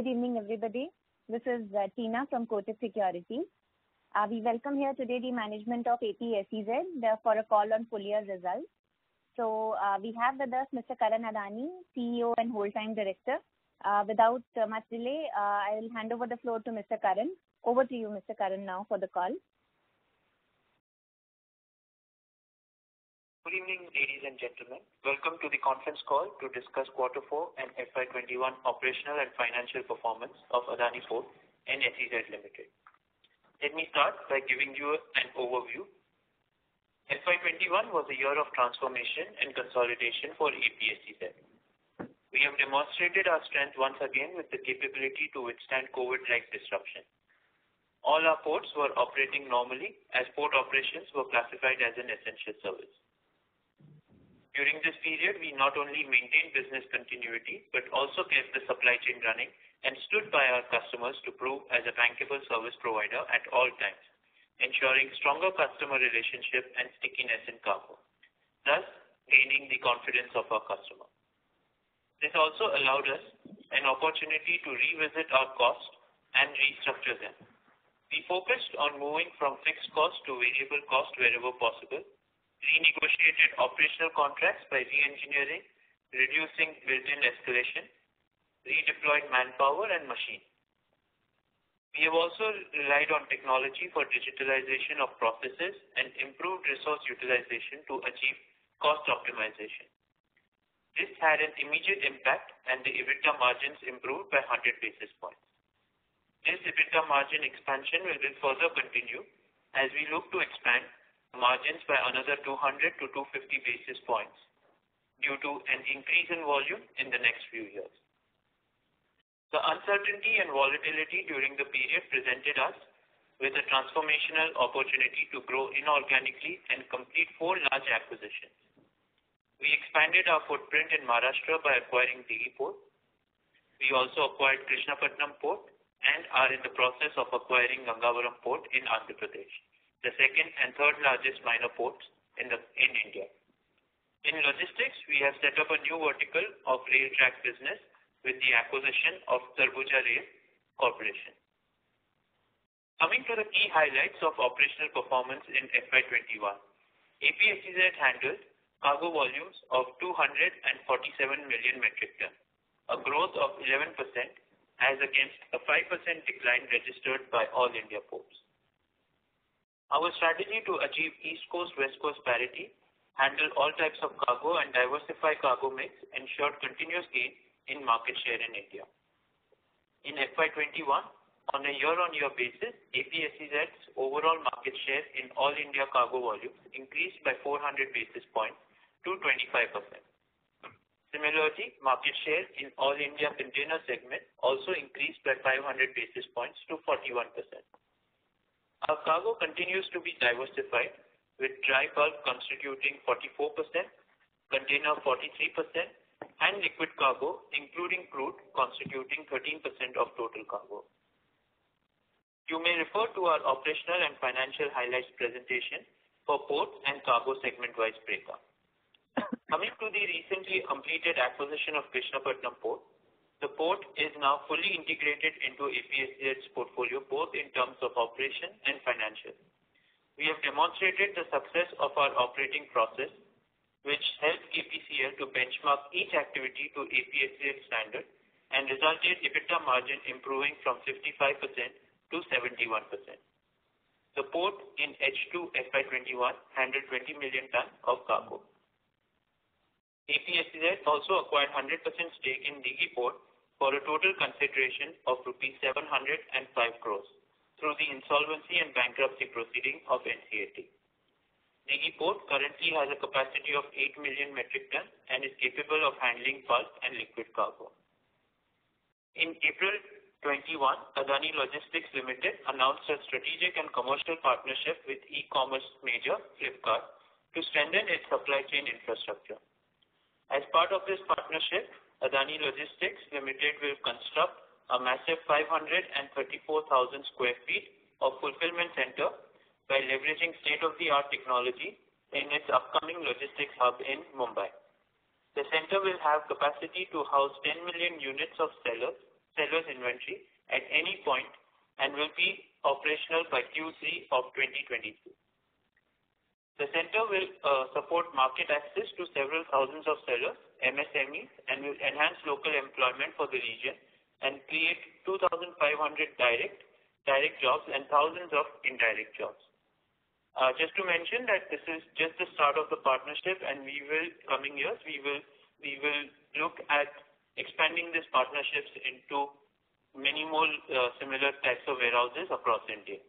Good evening, everybody. This is Teena from Kotak Securities. We welcome here today the management of APSEZ for a call on full year results. We have with us Mr. Karan Adani, CEO and Whole-Time Director. Without much delay, I will hand over the floor to Mr. Karan. Over to you, Mr. Karan, now for the call. Good evening, ladies and gentlemen. Welcome to the conference call to discuss quarter four and FY 2021 operational and financial performance of Adani Ports and SEZ Limited. Let me start by giving you an overview. FY 2021 was a year of transformation and consolidation for APSEZ. We have demonstrated our strength once again with the capability to withstand COVID-like disruption. All our ports were operating normally, as port operations were classified as an essential service. During this period, we not only maintained business continuity, but also kept the supply chain running, and stood by our customers to prove as a bankable service provider at all times, ensuring stronger customer relationship and stickiness in cargo, thus gaining the confidence of our customer. This also allowed us an opportunity to revisit our cost and restructure them. We focused on moving from fixed cost to variable cost wherever possible, renegotiated operational contracts by re-engineering, reducing built-in escalation, redeployed manpower and machine. We have also relied on technology for digitalization of processes and improved resource utilization to achieve cost optimization. This had an immediate impact. The EBITDA margins improved by 100 basis points. This EBITDA margin expansion will further continue as we look to expand margins by another 200 to 250 basis points due to an increase in volume in the next few years. The uncertainty and volatility during the period presented us with a transformational opportunity to grow inorganically and complete four large acquisitions. We expanded our footprint in Maharashtra by acquiring Dighi Port. We also acquired Krishnapatnam Port and are in the process of acquiring Gangavaram Port in Andhra Pradesh, the second and third largest minor ports in India. In logistics, we have set up a new vertical of rail track business with the acquisition of Sarguja Rail Corporation. Coming to the key highlights of operational performance in FY 2021. APSEZ handled cargo volumes of 247 million metric ton, a growth of 11% as against a 5% decline registered by all India ports. Our strategy to achieve East Coast-West Coast parity, handle all types of cargo, and diversify cargo mix ensured continuous gain in market share in India. In FY 2021, on a year-on-year basis, APSEZ's overall market share in all India cargo volumes increased by 400 basis points to 25%. Similarly, market share in all India container segment also increased by 500 basis points to 41%. Our cargo continues to be diversified, with dry bulk constituting 44%, container 43%, and liquid cargo, including crude, constituting 13% of total cargo. You may refer to our operational and financial highlights presentation for port and cargo segment-wise breakup. Coming to the recently completed acquisition of Krishnapatnam Port, the port is now fully integrated into APSEZ portfolio, both in terms of operation and financial. We have demonstrated the success of our operating process, which helped KPCL to benchmark each activity to APSEZ standard and resulted EBITDA margin improving from 55% to 71%. The port in H2 FY 2021 handled 20 million tons of cargo. APSEZ also acquired 100% stake in Dighi Port for a total consideration of rupees 705 crore through the insolvency and bankruptcy proceeding of NCLT. Dighi Port currently has a capacity of 8 million metric ton and is capable of handling bulk and liquid cargo. In April 2021, Adani Logistics Limited announced a strategic and commercial partnership with e-commerce major Flipkart to strengthen its supply chain infrastructure. As part of this partnership, Adani Logistics Limited will construct a massive 534,000 sq ft of fulfillment center by leveraging state-of-the-art technology in its upcoming logistics hub in Mumbai. The center will have capacity to house 10 million units of sellers' inventory at any point and will be operational by Q3 of 2022. The center will support market access to several thousands of sellers, MSMEs, and will enhance local employment for the region and create 2,500 direct jobs and thousands of indirect jobs. Just to mention that this is just the start of the partnership, and coming years, we will look at expanding these partnerships into many more similar types of warehouses across India.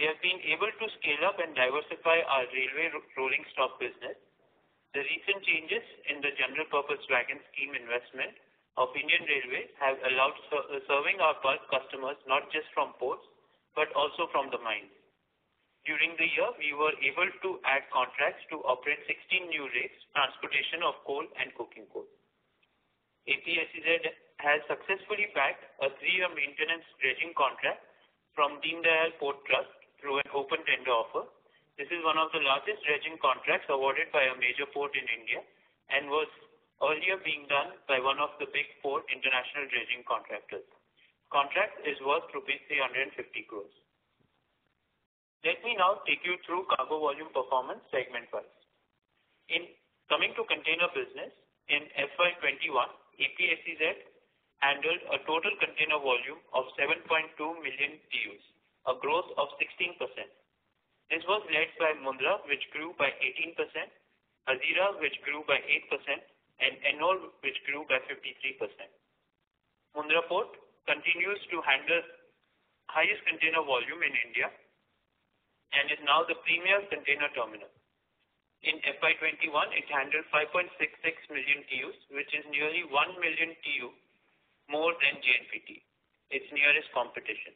We have been able to scale up and diversify our railway rolling stock business. The recent changes in the General Purpose Wagon Investment Scheme of Indian Railways have allowed serving our bulk customers not just from ports, but also from the mines. During the year, we were able to add contracts to operate 16 new rakes, transportation of coal and coking coal. APSEZ has successfully bagged a three-year maintenance dredging contract from Deendayal Port Trust through an open tender offer. This is one of the largest dredging contracts awarded by a major port in India, and was earlier being done by one of the big four international dredging contractors. Contract is worth rupees 350 crores. Let me now take you through cargo volume performance segment first. In coming to container business in FY 2021, APSEZ handled a total container volume of 7.2 million TEUs, a growth of 16%. This was led by Mundra, which grew by 18%, Hazira which grew by 8%, and Ennore, which grew by 53%. Mundra Port continues to handle highest container volume in India, and is now the premier container terminal. In FY 2021, it handled 5.66 million TEUs, which is nearly 1 million TEU more than JNPT, its nearest competition.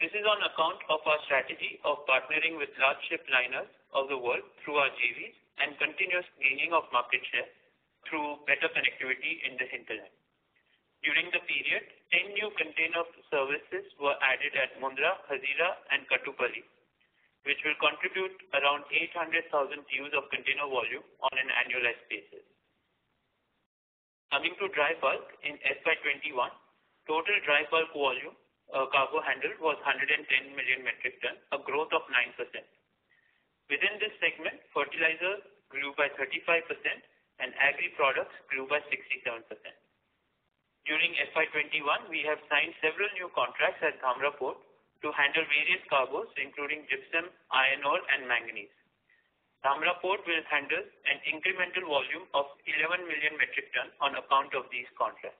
This is on account of our strategy of partnering with large ship liners of the world through our JVs and continuous gaining of market share through better connectivity in the hinterland. During the period, 10 new container services were added at Mundra, Hazira, and Kattupalli, which will contribute around 800,000 TEUs of container volume on an annualized basis. Coming to dry bulk in FY 2021, total dry bulk volume cargo handled was 110 million metric ton, a growth of 9%. Within this segment, fertilizers grew by 35% and agri products grew by 67%. During FY 2021, we have signed several new contracts at Dhamra Port to handle various cargoes including gypsum, iron ore, and manganese. Dhamra Port will handle an incremental volume of 11 million metric ton on account of these contracts.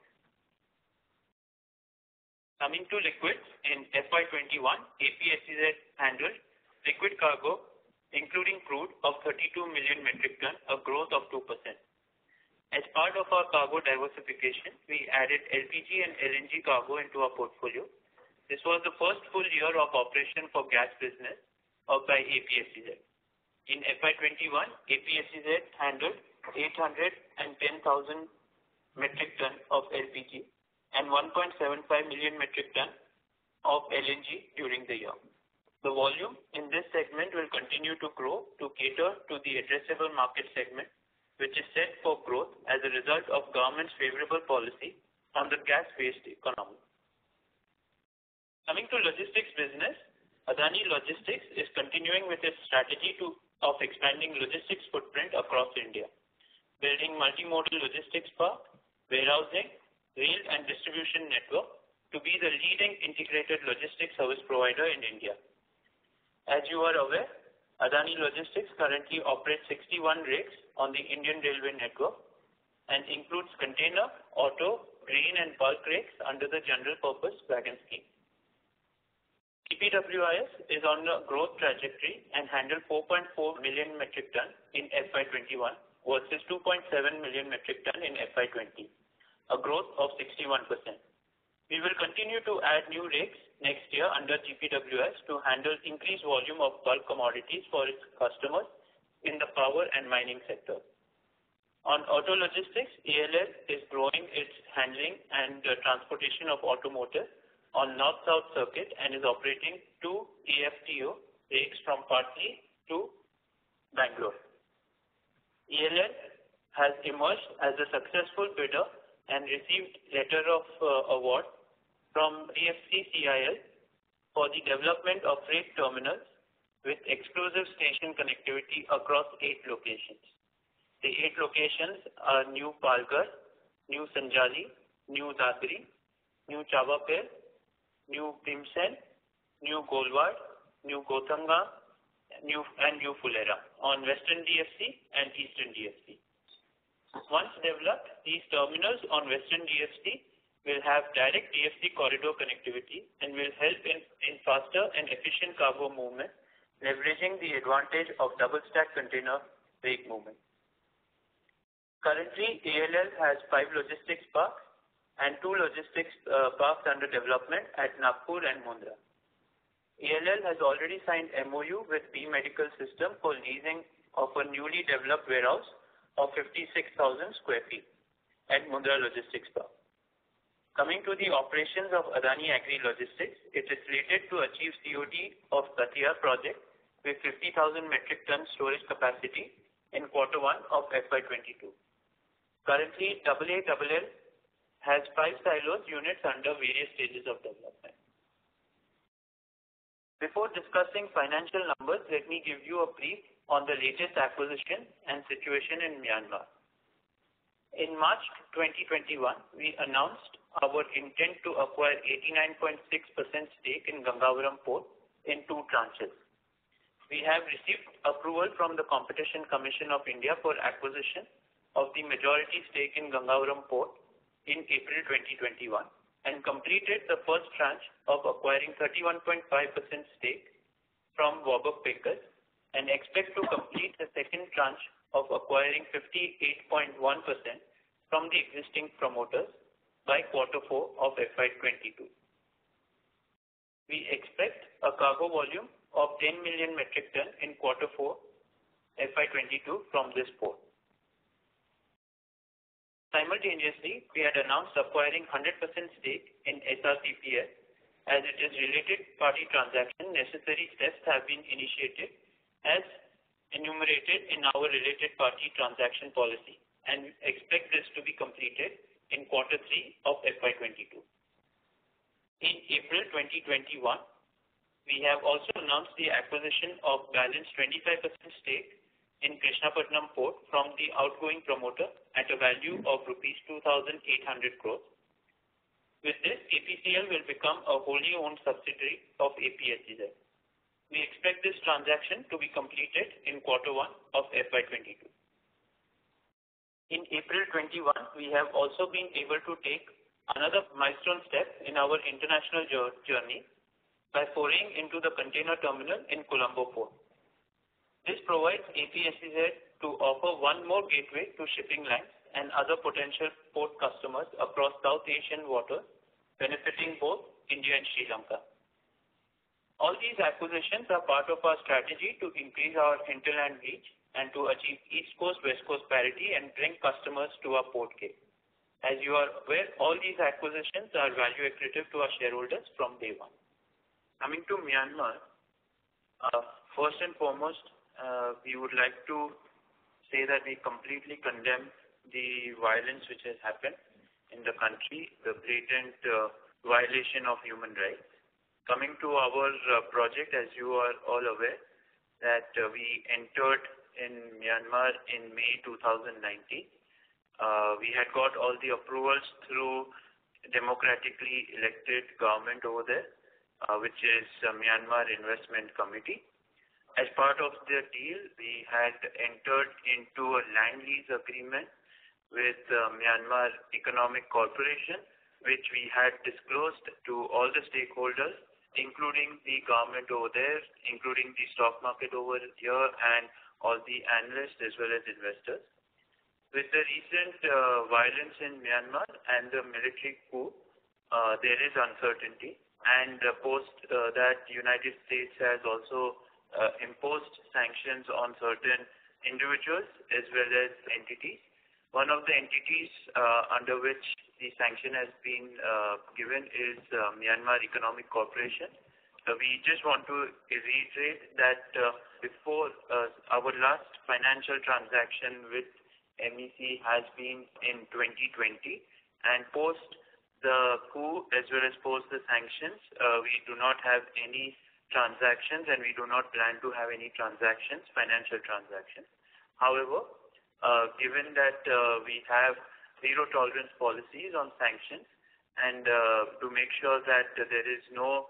Coming to liquids in FY 2021, APSEZ handled liquid cargo including crude, of 32 million metric ton, a growth of 2%. As part of our cargo diversification, we added LPG and LNG cargo into our portfolio. This was the first full year of operation for gas business of the APSEZ. In FY 2021, APSEZ handled 810,000 metric ton of LPG and 1.75 million metric ton of LNG during the year. The volume in this segment will continue to grow to cater to the addressable market segment, which is set for growth as a result of government's favorable policy on the gas-based economy. Coming to logistics business, Adani Logistics is continuing with its strategy of expanding logistics footprint across India, building multi-modal logistics park, warehousing, rail, and distribution network to be the leading integrated logistics service provider in India. As you are aware, Adani Logistics currently operates 61 rakes on the Indian railway network and includes container, auto, grain, and bulk rakes under the General Purpose Wagon Investment Scheme. GPWIS is on a growth trajectory and handled 4.4 million metric ton in FY 2021 versus 2.7 million metric ton in FY 2020, a growth of 61%. We will continue to add new rakes next year under GPWIS to handle increased volume of bulk commodities for its customers in the power and mining sector. On auto logistics, ALL is growing its handling and transportation of automotive on north-south circuit and is operating two AFTO rakes from Patna to Bangalore. ALL has emerged as a successful bidder and received letter of award from DFCCIL for the development of freight terminals with exclusive station connectivity across eight locations. The eight locations are New Palghar, New Sanjali, New Dadri, New Chhavapir, New Bhimsen, New Golwad, New Gothangam, and New Phulera on Western DFC and Eastern DFC. Once developed, these terminals on Western DFC will have direct DFC corridor connectivity and will help in faster and efficient cargo movement, leveraging the advantage of double stack container rake movement. Currently, ALL has five logistics parks and two logistics parks under development at Nagpur and Mundra. ALL has already signed MOU with B Medical Systems for leasing of a newly developed warehouse of 56,000 sq ft at Mundra Logistics Park. Coming to the operations of Adani Agri Logistics, it is slated to achieve COD of Tatija project with 50,000 metric ton storage capacity in quarter one of FY 2022. Currently, AALL has five silos units under various stages of development. Before discussing financial numbers, let me give you a brief on the latest acquisition and situation in Myanmar. In March 2021, we announced our intent to acquire 89.6% stake in Gangavaram Port in two tranches. We have received approval from the Competition Commission of India for acquisition of the majority stake in Gangavaram Port in April 2021 and completed the first tranche of acquiring 31.5% stake from Warburg Pincus and expect to complete the second tranche of acquiring 58.1% from the existing promoters by quarter four of FY 2022. We expect a cargo volume of 10 million metric ton in quarter four FY 2022 from this port. Simultaneously, we had announced acquiring 100% stake in SRCPL, as it is related party transaction, necessary steps have been initiated as enumerated in our related party transaction policy, and expect this to be completed in Q3 of FY 2022. In April 2021, we have also announced the acquisition of Balance 25% stake in Krishnapatnam Port from the outgoing promoter at a value of rupees 2,800 crore. With this, KPCL will become a wholly owned subsidiary of APSEZ. We expect this transaction to be completed in Q1 of FY 2022. In April 2021, we have also been able to take another milestone step in our international journey by foraying into the container terminal in Colombo Port. This provides APSEZ to offer one more gateway to shipping lines and other potential port customers across South Asian waters, benefiting both India and Sri Lanka. All these acquisitions are part of our strategy to increase our hinterland reach and to achieve East Coast, West Coast parity and bring customers to our port gate. As you are aware, all these acquisitions are value accretive to our shareholders from day one. Coming to Myanmar, first and foremost, we would like to say that we completely condemn the violence which has happened in the country, the blatant violation of human rights. Coming to our project, as you are all aware, that we entered in Myanmar in May 2019. We had got all the approvals through democratically elected government over there, which is Myanmar Investment Commission. As part of the deal, we had entered into a land lease agreement with Myanmar Economic Corporation, which we had disclosed to all the stakeholders, including the government over there, including the stock market over here, and all the analysts as well as investors. With the recent violence in Myanmar and the military coup, there is uncertainty, and post that, United States has also imposed sanctions on certain individuals as well as entities. One of the entities under which the sanction has been given is Myanmar Economic Corporation. We just want to reiterate that before our last financial transaction with MEC has been in 2020, and post the coup, as well as post the sanctions, we do not have any transactions, and we do not plan to have any transactions, financial transactions. Given that we have zero tolerance policies on sanctions and to make sure that there is no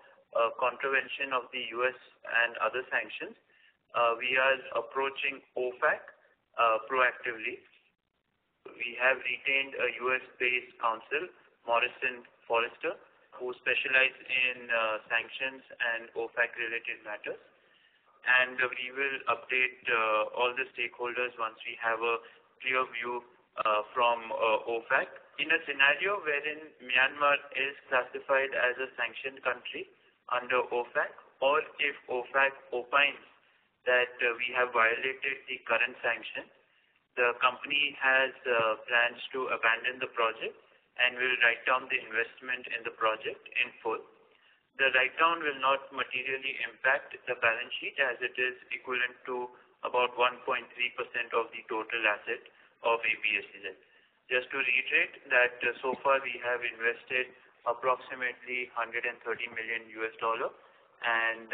contravention of the U.S. and other sanctions, we are approaching OFAC proactively. We have retained a U.S.-based counsel, Morrison Foerster, who specialize in sanctions and OFAC related matters. We will update all the stakeholders once we have a clear view from OFAC. In a scenario wherein Myanmar is classified as a sanctioned country under OFAC, or if OFAC opines that we have violated the current sanction, the company has plans to abandon the project and will write down the investment in the project in full. The write down will not materially impact the balance sheet as it is equivalent to about 1.3% of the total asset of APSEZ. Just to reiterate that so far, we have invested approximately $130 million, and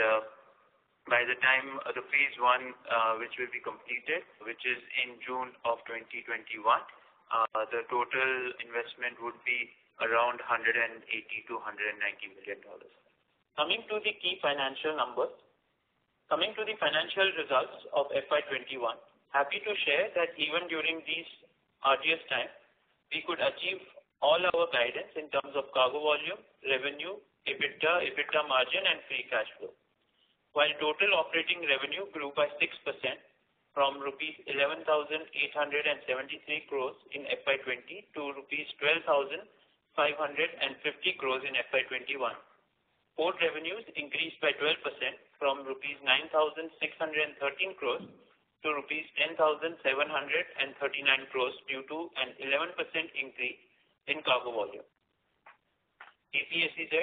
by the time the Phase 1, which will be completed, which is in June of 2021, the total investment would be around $180 million-$190 million. Coming to the key financial numbers. Coming to the financial results of FY 2021, happy to share that even during these arduous time, we could achieve all our guidance in terms of cargo volume, revenue, EBITDA margin and free cash flow. While total operating revenue grew by 6% from rupees 11,873 crores in FY 2020 to rupees 12,550 crores in FY 2021. Port revenues increased by 12% from rupees 9,613 crores to rupees 10,739 crores due to an 11% increase in cargo volume. APSEZ,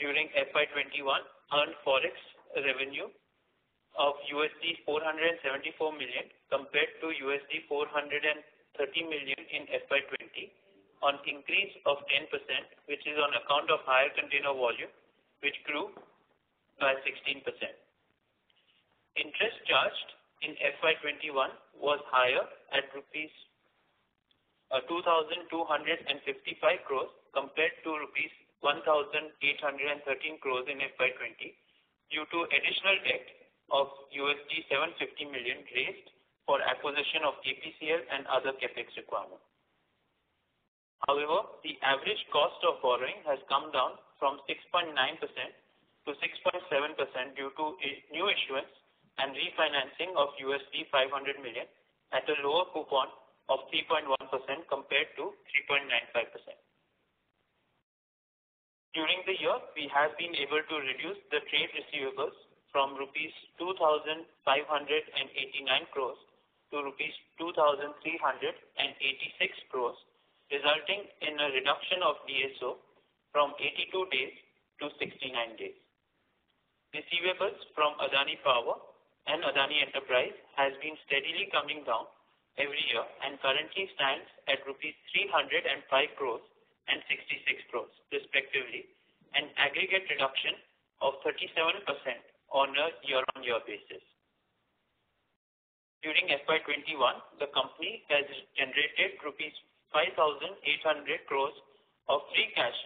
during FY 2021, earned Forex revenue of USD 474 million compared to USD 430 million in FY 2020, on increase of 10%, which is on account of higher container volume, which grew by 16%. Interest charged in FY 2021 was higher at rupees 2,255 crore compared to rupees 1,813 crore in FY 2020, due to additional debt of USD 750 million raised for acquisition of KPCL and other CapEx requirement. However, the average cost of borrowing has come down from 6.9% to 6.7% due to new issuance and refinancing of USD 500 million at a lower coupon of 3.1% compared to 3.95%. During the year, we have been able to reduce the trade receivables from rupees 2,589 crore to rupees 2,386 crore, resulting in a reduction of DSO from 82-69 days. Receivables from Adani Power and Adani Enterprises has been steadily coming down every year and currently stands at rupees 305 crores and 66 crores respectively, an aggregate reduction of 37% on a year-on-year basis. During FY 2021, the company has generated rupees 5,800 crores of free cash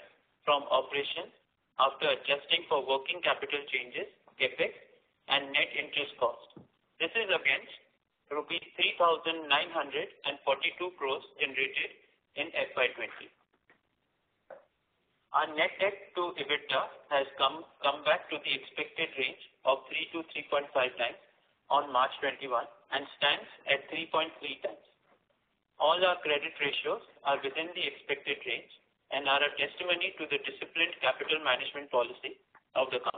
from operations after adjusting for working capital changes, CapEx, and net interest cost. This is against INR 3,942 crores generated in FY 2020. Our net debt to EBITDA has come back to the expected range of three to 3.5x on March 2021 and stands at 3.3x. All our credit ratios are within the expected range and are a testimony to the disciplined capital management policy of the company.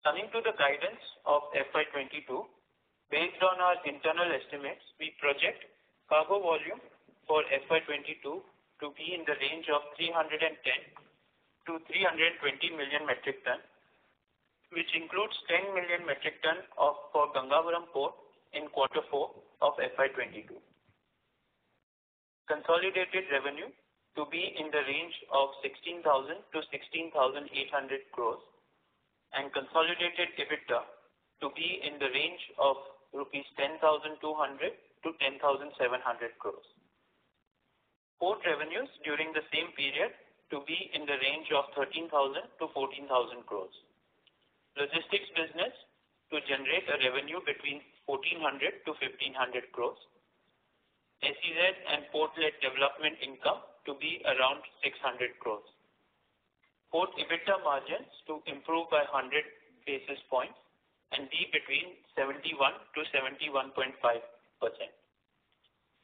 Coming to the guidance of FY 2022, based on our internal estimates, we project cargo volume for FY 2022 to be in the range of 310 million tons-320 million metric tons, which includes 10 million metric tons for Gangavaram Port in Quarter Four of FY 2022. Consolidated revenue to be in the range of 16,000 crore-16,800 crore, and consolidated EBITDA to be in the range of 10,200 crore-10,700 crore rupees. Port revenues during the same period to be in the range of 13,000 crore-14,000 crore. Logistics business to generate a revenue between 1,400 crore-1,500 crore. SEZ and port-led development income to be around 600 crore. Port EBITDA margins to improve by 100 basis points and be between 71%-71.5%.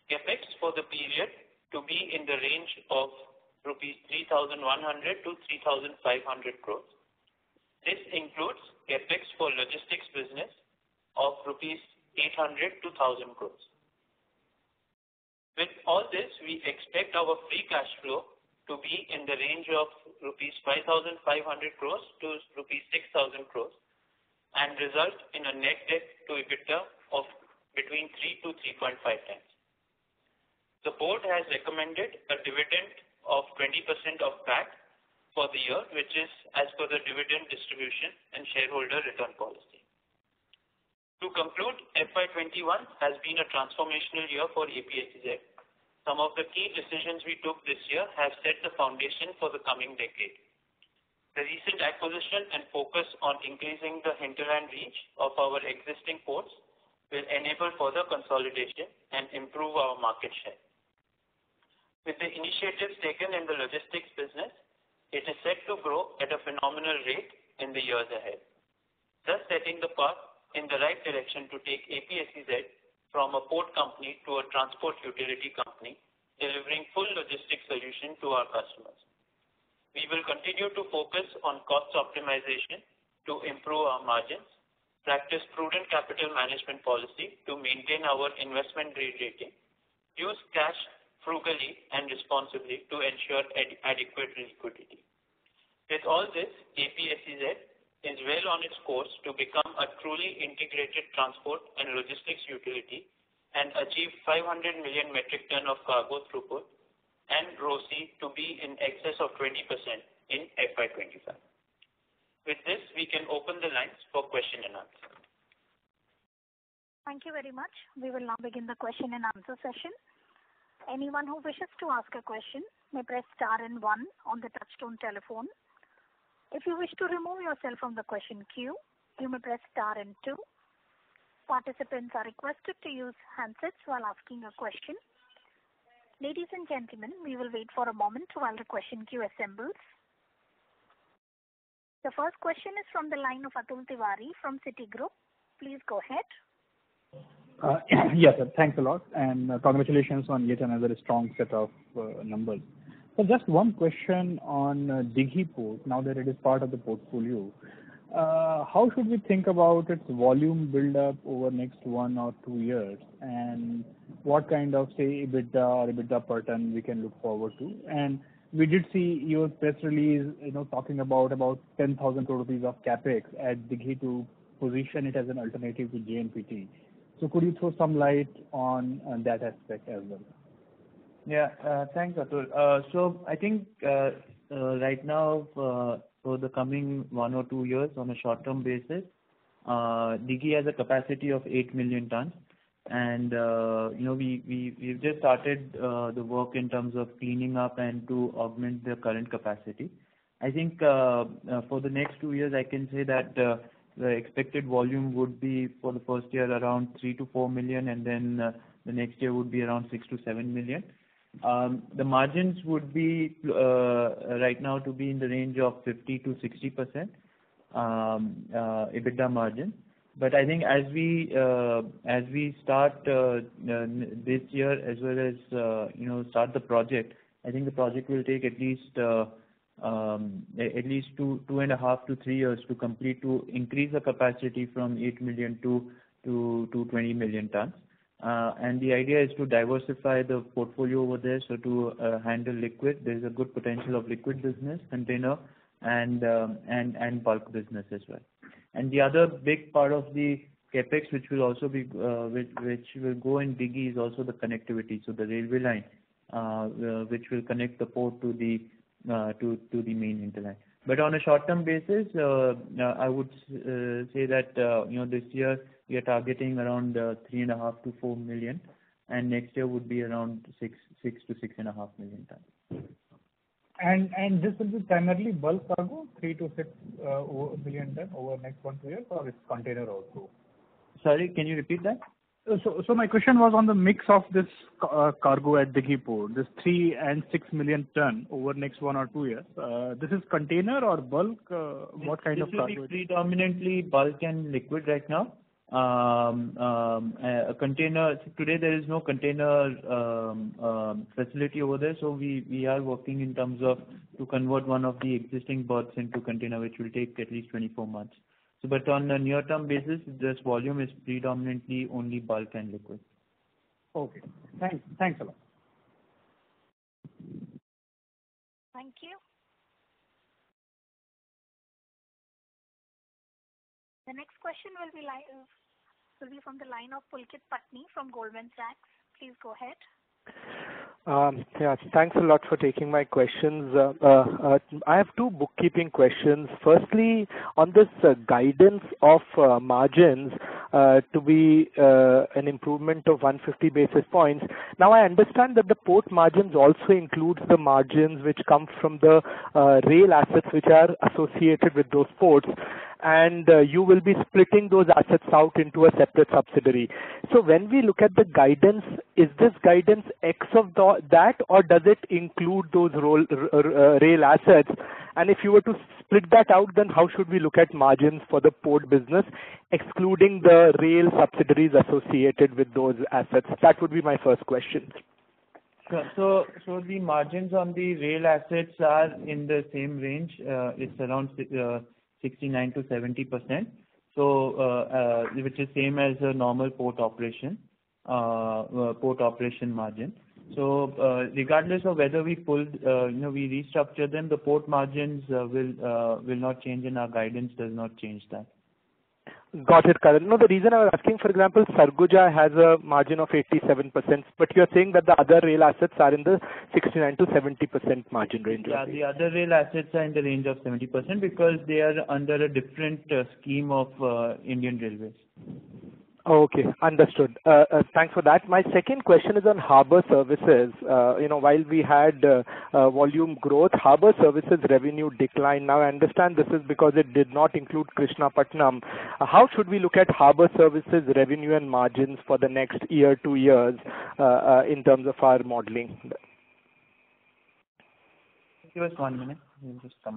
CapEx for the period to be in the range of 3,100 crore-3,500 crore rupees. This includes CapEx for logistics business of 800 crore-1,000 crore rupees. With all this, we expect our free cash flow to be in the range of rupees 5,500 crore to rupees 6,000 crore and result in a net debt to EBITDA of between 3x-3.5x. The board has recommended a dividend of 20% of PAT for the year, which is as per the dividend distribution and shareholder return policy. To conclude, FY 2021 has been a transformational year for APSEZ. Some of the key decisions we took this year have set the foundation for the coming decade. The recent acquisition and focus on increasing the hinterland reach of our existing ports will enable further consolidation and improve our market share. With the initiatives taken in the logistics business, it is set to grow at a phenomenal rate in the years ahead, thus setting the path in the right direction to take APSEZ from a port company to a transport utility company, delivering full logistics solution to our customers. We will continue to focus on cost optimization to improve our margins, practice prudent capital management policy to maintain our investment grade rating, use cash frugally and responsibly to ensure adequate liquidity. With all this, APSEZ is well on its course to become a truly integrated transport and logistics utility and achieve 500 million metric ton of cargo throughput and ROCE to be in excess of 20% in FY 2025. With this, we can open the lines for question and answer. Thank you very much. We will now begin the question and answer session. Anyone who wishes to ask a question may press star and one on the touchstone telephone. If you wish to remove yourself from the question queue, you may press star and two. Participants are requested to use handsets while asking the question. Ladies and gentlemen, we will wait for a moment while the question queue assembles. The first question is from the line of Atul Tiwari from Citigroup. Please go ahead. Yes, thanks a lot. Congratulations on yet another strong set of numbers. Just one question on Dighi Port, now that it is part of the portfolio. How should we think about its volume buildup over the next one or two years, what kind of, say, EBITDA or EBITDA per ton we can look forward to? We did see your press release talking about 10,000 crore rupees of CapEx at Dighi to position it as an alternative to JNPT. Could you throw some light on that aspect as well? Thanks, Atul. I think right now, for the coming one or two years, on a short-term basis, Dighi has a capacity of 8 million tons. We've just started the work in terms of cleaning up and to augment the current capacity. I think for the next two years, I can say that the expected volume would be, for the first year, around 3 million tons-4 million tons, the next year would be around 6 million tons-7 million tons. The margins right now to be in the range of 50%-60%. EBITDA margin. I think as we start this year as well as start the project, I think the project will take at least two and half to three years to complete to increase the capacity from 8 million tons to 20 million tons. The idea is to diversify the portfolio over there, to handle liquid. There's a good potential of liquid business container and bulk business as well. The other big part of the CapEx, which will go in Dighi is also the connectivity. The railway line which will connect the port to the main interline. On a short-term basis, I would say that this year we are targeting around 3.5 million tons-4 million tons, and next year would be around 6 million tons-6.5 million tons. This will be primarily bulk cargo, 3 million-6 million ton over the next one, two years, or it's container also? Sorry, can you repeat that? My question was on the mix of this cargo at Dighi Port, this 3 million tons and 6 million tons over the next one or two years. This is container or bulk? What kind of cargo? This will be predominantly bulk and liquid right now. Today, there is no container facility over there. We are working in terms of to convert one of the existing berths into container, which will take at least 24 months. On a near-term basis, this volume is predominantly only bulk and liquid. Okay. Thanks a lot. Thank you. The next question will be from the line of Pulkit Patni from Goldman Sachs. Please go ahead. Thanks a lot for taking my questions. I have two bookkeeping questions. Firstly, on this guidance of margins to be an improvement of 150 basis points. Now I understand that the port margins also includes the margins which come from the rail assets which are associated with those ports, and you will be splitting those assets out into a separate subsidiary. When we look at the guidance, is this guidance X of that or does it include those rail assets? If you were to split that out, then how should we look at margins for the port business excluding the rail subsidiaries associated with those assets? That would be my first question. Sure. The margins on the rail assets are in the same range. It's around 69%-70%, which is same as a normal port operation margin. Regardless of whether we restructure them, the port margins will not change, and our guidance does not change that. Got it, Karan. The reason I'm asking, for example, Sarguja has a margin of 87%, but you're saying that the other rail assets are in the 69%-70% margin range, right? Yeah. The other rail assets are in the range of 70% because they are under a different scheme of Indian Railways. Okay. Understood. Thanks for that. My second question is on harbor services. While we had volume growth, harbor services revenue declined. I understand this is because it did not include Krishnapatnam. How should we look at harbor services revenue and margins for the next year, two years, in terms of our modeling? Give us one minute. Let me just check.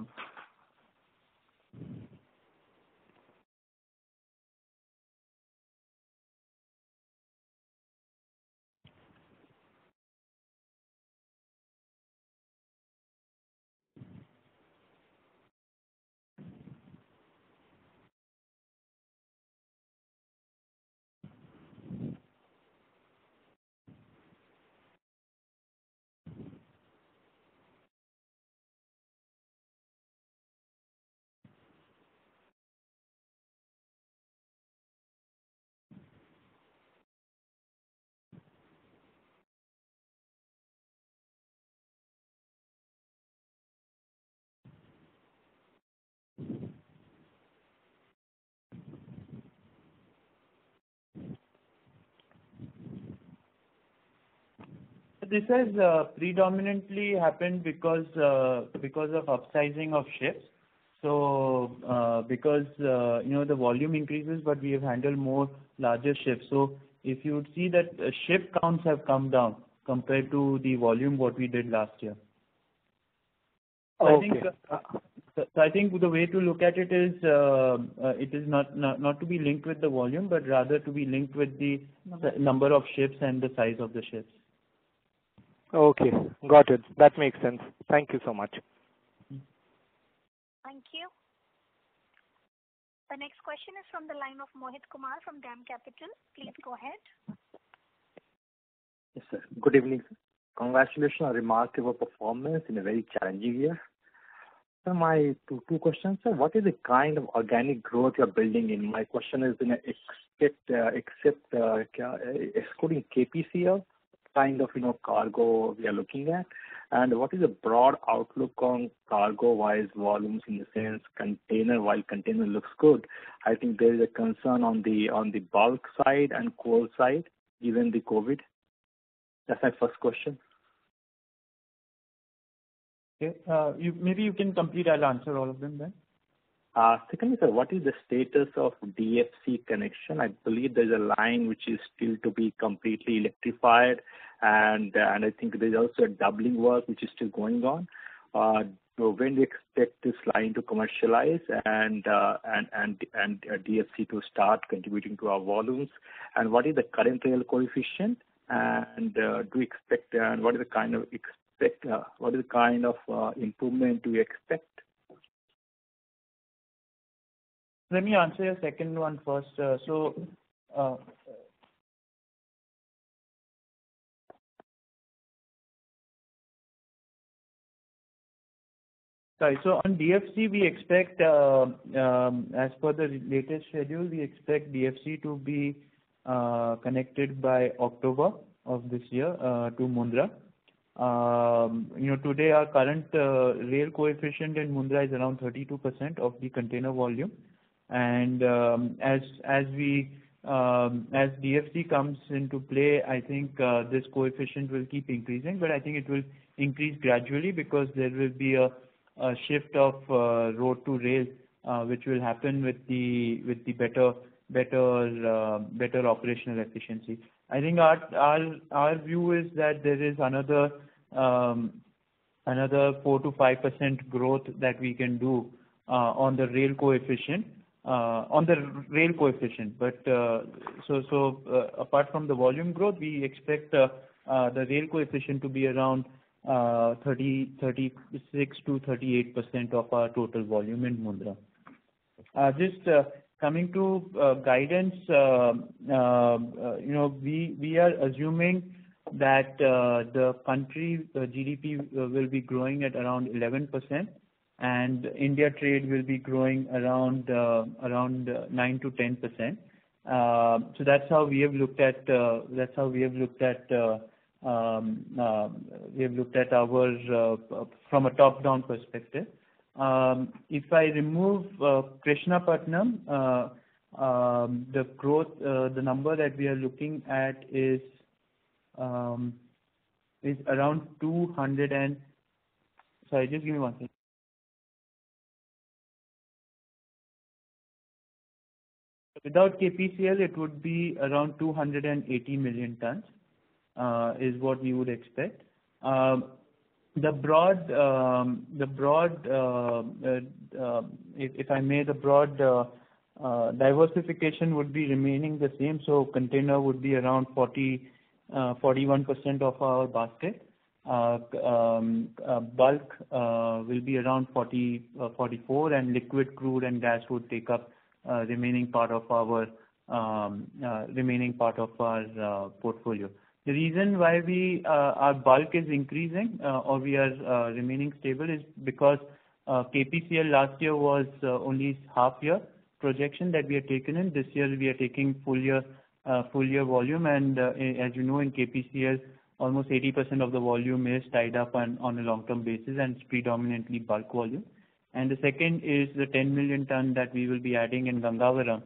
This has predominantly happened because of upsizing of ships. Because the volume increases, we have handled more larger ships. If you would see that ship counts have come down compared to the volume, what we did last year. Okay. I think the way to look at it is, it is not to be linked with the volume, but rather to be linked with the number of ships and the size of the ships. Okay. Got it. That makes sense. Thank you so much. Thank you. The next question is from the line of Mohit Kumar from DAM Capital. Please go ahead. Yes, sir. Good evening. Congratulations on remarkable performance in a very challenging year. Sir, my two questions are, what is the kind of organic growth you're building in? My question is excluding KPCL kind of cargo we are looking at. What is the broad outlook on cargo-wise volumes in the sense container while container looks good? I think there is a concern on the bulk side and coal side given the COVID. That's my first question. Okay. Maybe you can complete. I'll answer all of them then. Secondly, sir, what is the status of DFC connection? I believe there's a line which is still to be completely electrified, I think there's also a doubling work which is still going on. When do you expect this line to commercialize and DFC to start contributing to our volumes? What is the current rail coefficient, and what is the kind of improvement do you expect? Let me answer your second one first. Sorry. On DFC, as per the latest schedule, we expect DFC to be connected by October of this year to Mundra. Today, our current rail coefficient in Mundra is around 32% of the container volume. As DFC comes into play, I think this coefficient will keep increasing, but I think it will increase gradually because there will be a shift of road to rail which will happen with the better operational efficiency. I think our view is that there is another 4%-5% growth that we can do on the rail coefficient. Apart from the volume growth, we expect the rail coefficient to be around 36%-38% of our total volume in Mundra. Just coming to guidance, we are assuming that the country's GDP will be growing at around 11% and India trade will be growing around 9%-10%. That's how we have looked at ours from a top-down perspective. If I remove Krishnapatnam, the number that we are looking at is around 200 and Sorry, just give me one second. Without KPCL, it would be around 280 million tons, is what we would expect. If I made a broad diversification would be remaining the same, so container would be around 41% of our basket. Bulk will be around 44%, and liquid crude and gas would take up remaining part of our portfolio. The reason why our bulk is increasing or we are remaining stable is because KPCL last year was only half year projection that we have taken in. This year we are taking full year volume and as you know in KPCL, almost 80% of the volume is tied up on a long-term basis and it's predominantly bulk volume. The second is the 10 million ton that we will be adding in Gangavaram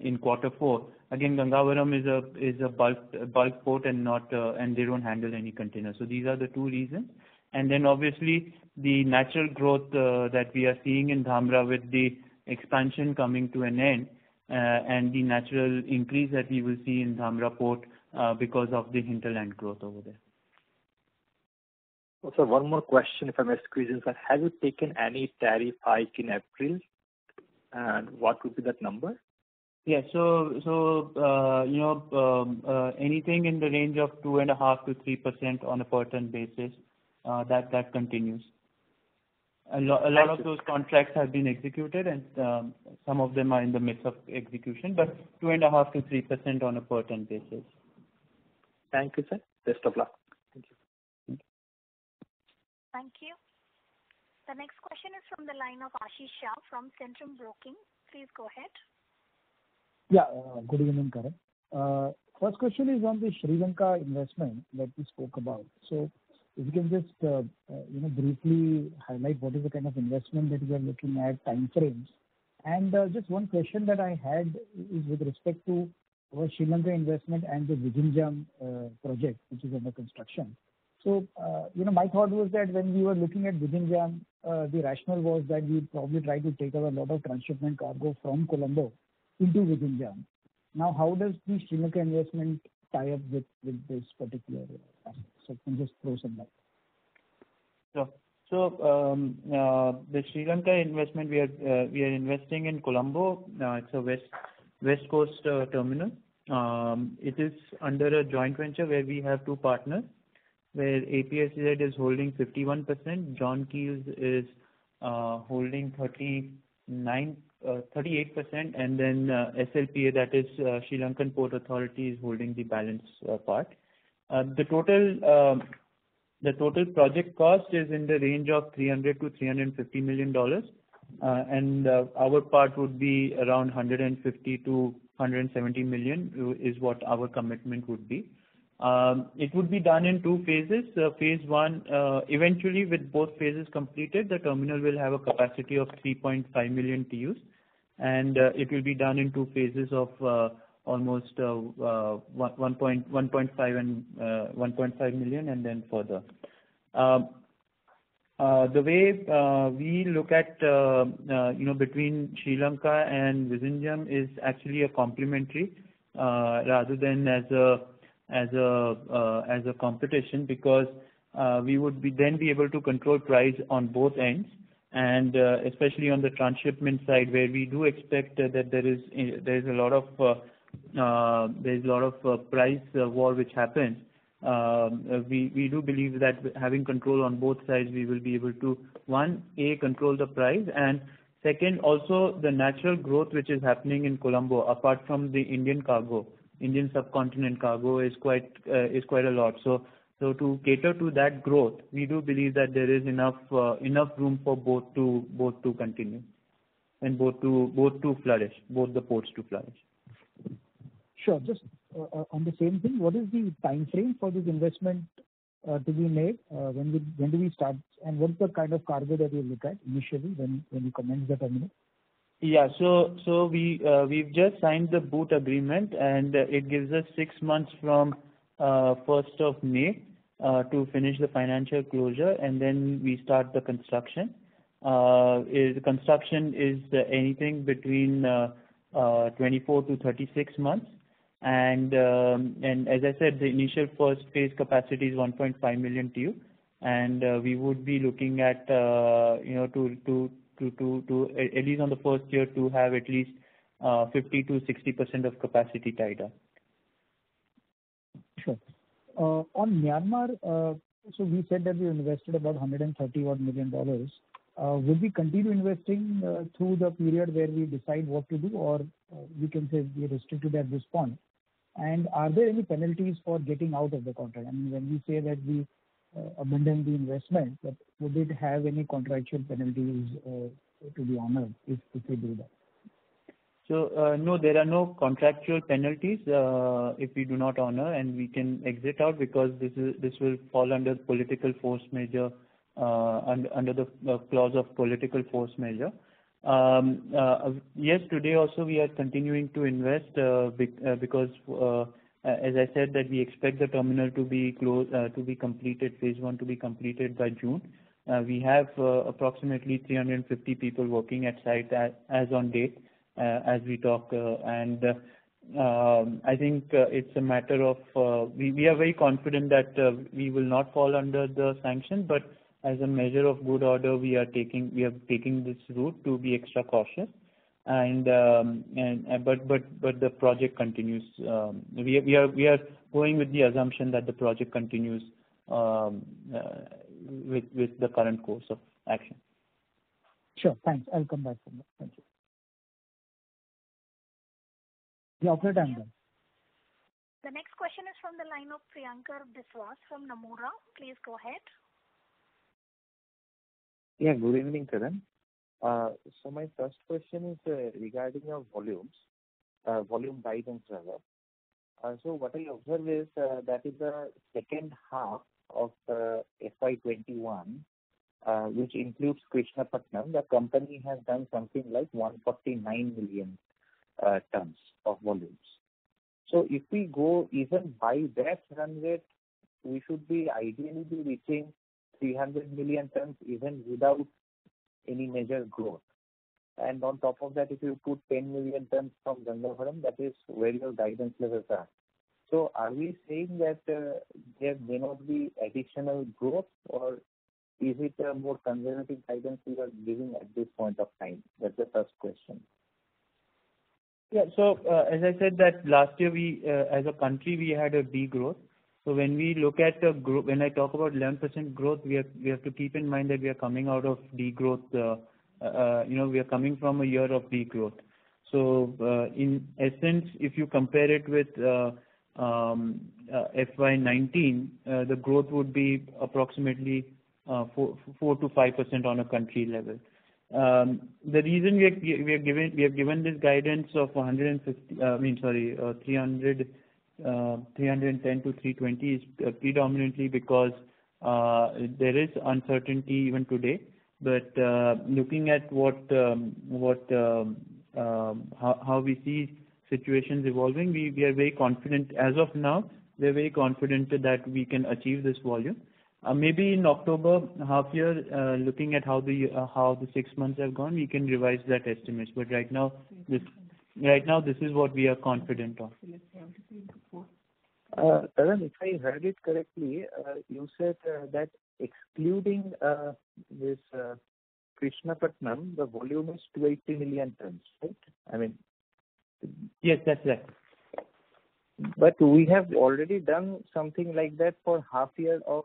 in quarter four. Again, Gangavaram is a bulk port and they don't handle any containers. These are the two reasons. Then obviously the natural growth that we are seeing in Dhamra with the expansion coming to an end, and the natural increase that we will see in Dhamra Port because of the hinterland growth over there. One more question if I may squeeze in, sir. Have you taken any tariff hike in April, and what would be that number? Yeah. Anything in the range of 2.5%-3% on a per ton basis, that continues. A lot of those contracts have been executed and some of them are in the midst of execution, but 2.5%-3% on a per ton basis. Thank you, sir. Best of luck. Thank you. Thank you. The next question is from the line of Ashish Shah from Centrum Broking. Please go ahead. Yeah. Good evening, Karan. First question is on the Sri Lanka investment that you spoke about. If you can just briefly highlight what is the kind of investment that you are looking at, time frames. Just one question that I had is with respect to your Sri Lanka investment and the Vizhinjam project, which is under construction. My thought was that when we were looking at Vizhinjam, the rationale was that we would probably try to take a lot of transshipment cargo from Colombo into Vizhinjam. How does the Sri Lanka investment tie up with this particular aspect? Can you just throw some light. Sure. The Sri Lanka investment, we are investing in Colombo. It's a west coast terminal. It is under a joint venture where we have two partners, where APSEZ is holding 51%, John Keells is holding 38%, and then SLPA, that is Sri Lanka Ports Authority, is holding the balance part. The total project cost is in the range of $300 million-$350 million. Our part would be around $150 million-$170 million, is what our commitment would be. It would be done in two phases. Eventually, with both phases completed, the terminal will have a capacity of 3.5 million TEUs, and it will be done in two phases of almost 1.5 million and then further. The way we look at between Sri Lanka and Vizhinjam is actually a complementary rather than as a competition, because we would then be able to control price on both ends, and especially on the transshipment side where we do expect that there is a lot of price war which happens. We do believe that having control on both sides, we will be able to, one, A, control the price, and second, also the natural growth which is happening in Colombo apart from the Indian cargo. Indian subcontinent cargo is quite a lot. To cater to that growth, we do believe that there is enough room for both to continue and both the ports to flourish. Sure. Just on the same thing, what is the time frame for this investment to be made? When do we start? What's the kind of cargo that you look at initially when you commence the terminal? Yeah. We've just signed the BOT agreement, it gives us six months from first of May to finish the financial closure, then we start the construction. Construction is anything between 24-36 months. As I said, the initial first phase capacity is 1.5 million TEU, we would be looking at least on the first year, to have at least 50%-60% of capacity tied up. Sure. On Myanmar, we said that we invested about $130 odd million. Will we continue investing through the period where we decide what to do, or we can say we restricted at this point? Are there any penalties for getting out of the contract? I mean, when we say that we abandon the investment, would it have any contractual penalties to be honored if we do that? No, there are no contractual penalties if we do not honor, and we can exit out because this will fall under the clause of political force majeure. Yes, today also we are continuing to invest because as I said that we expect the terminal to be completed, Phase 1 to be completed by June. We have approximately 350 people working at site as on date as we talk. I think it's a matter of we are very confident that we will not fall under the sanction, but as a measure of good order, we are taking this route to be extra cautious. The project continues. We are going with the assumption that the project continues with the current course of action. Sure. Thanks. I'll come back. Thank you. Operator. The next question is from the line of Priyankar Biswas from Nomura. Please go ahead. Good evening, Karan. My first question is regarding your volumes, volume guidance rather. What I observe is that is the second half of FY 2021, which includes Krishnapatnam. The company has done something like 149 million tons of volumes. If we go even by that run rate, we should be ideally reaching 300 million tons even without any major growth. On top of that, if you put 10 million tons from Gangavaram, that is where your guidance levels are. Are we saying that there may not be additional growth or is it a more conservative guidance you are giving at this point of time? That's the first question. Yeah. As I said that last year as a country we had a degrowth. When I talk about 11% growth, we have to keep in mind that we are coming from a year of degrowth. In essence, if you compare it with FY 2019, the growth would be approximately 4%-5% on a country level. The reason we have given this guidance of 310 million tons-320 million tons is predominantly because there is uncertainty even today. Looking at how we see situations evolving, as of now, we are very confident that we can achieve this volume. Maybe in October half year, looking at how the six months have gone, we can revise that estimate. Right now, this is what we are confident of. Karan, if I heard it correctly, you said that excluding this Krishnapatnam, the volume is 280 million tons, right? Yes, that's right. We have already done something like that for half year of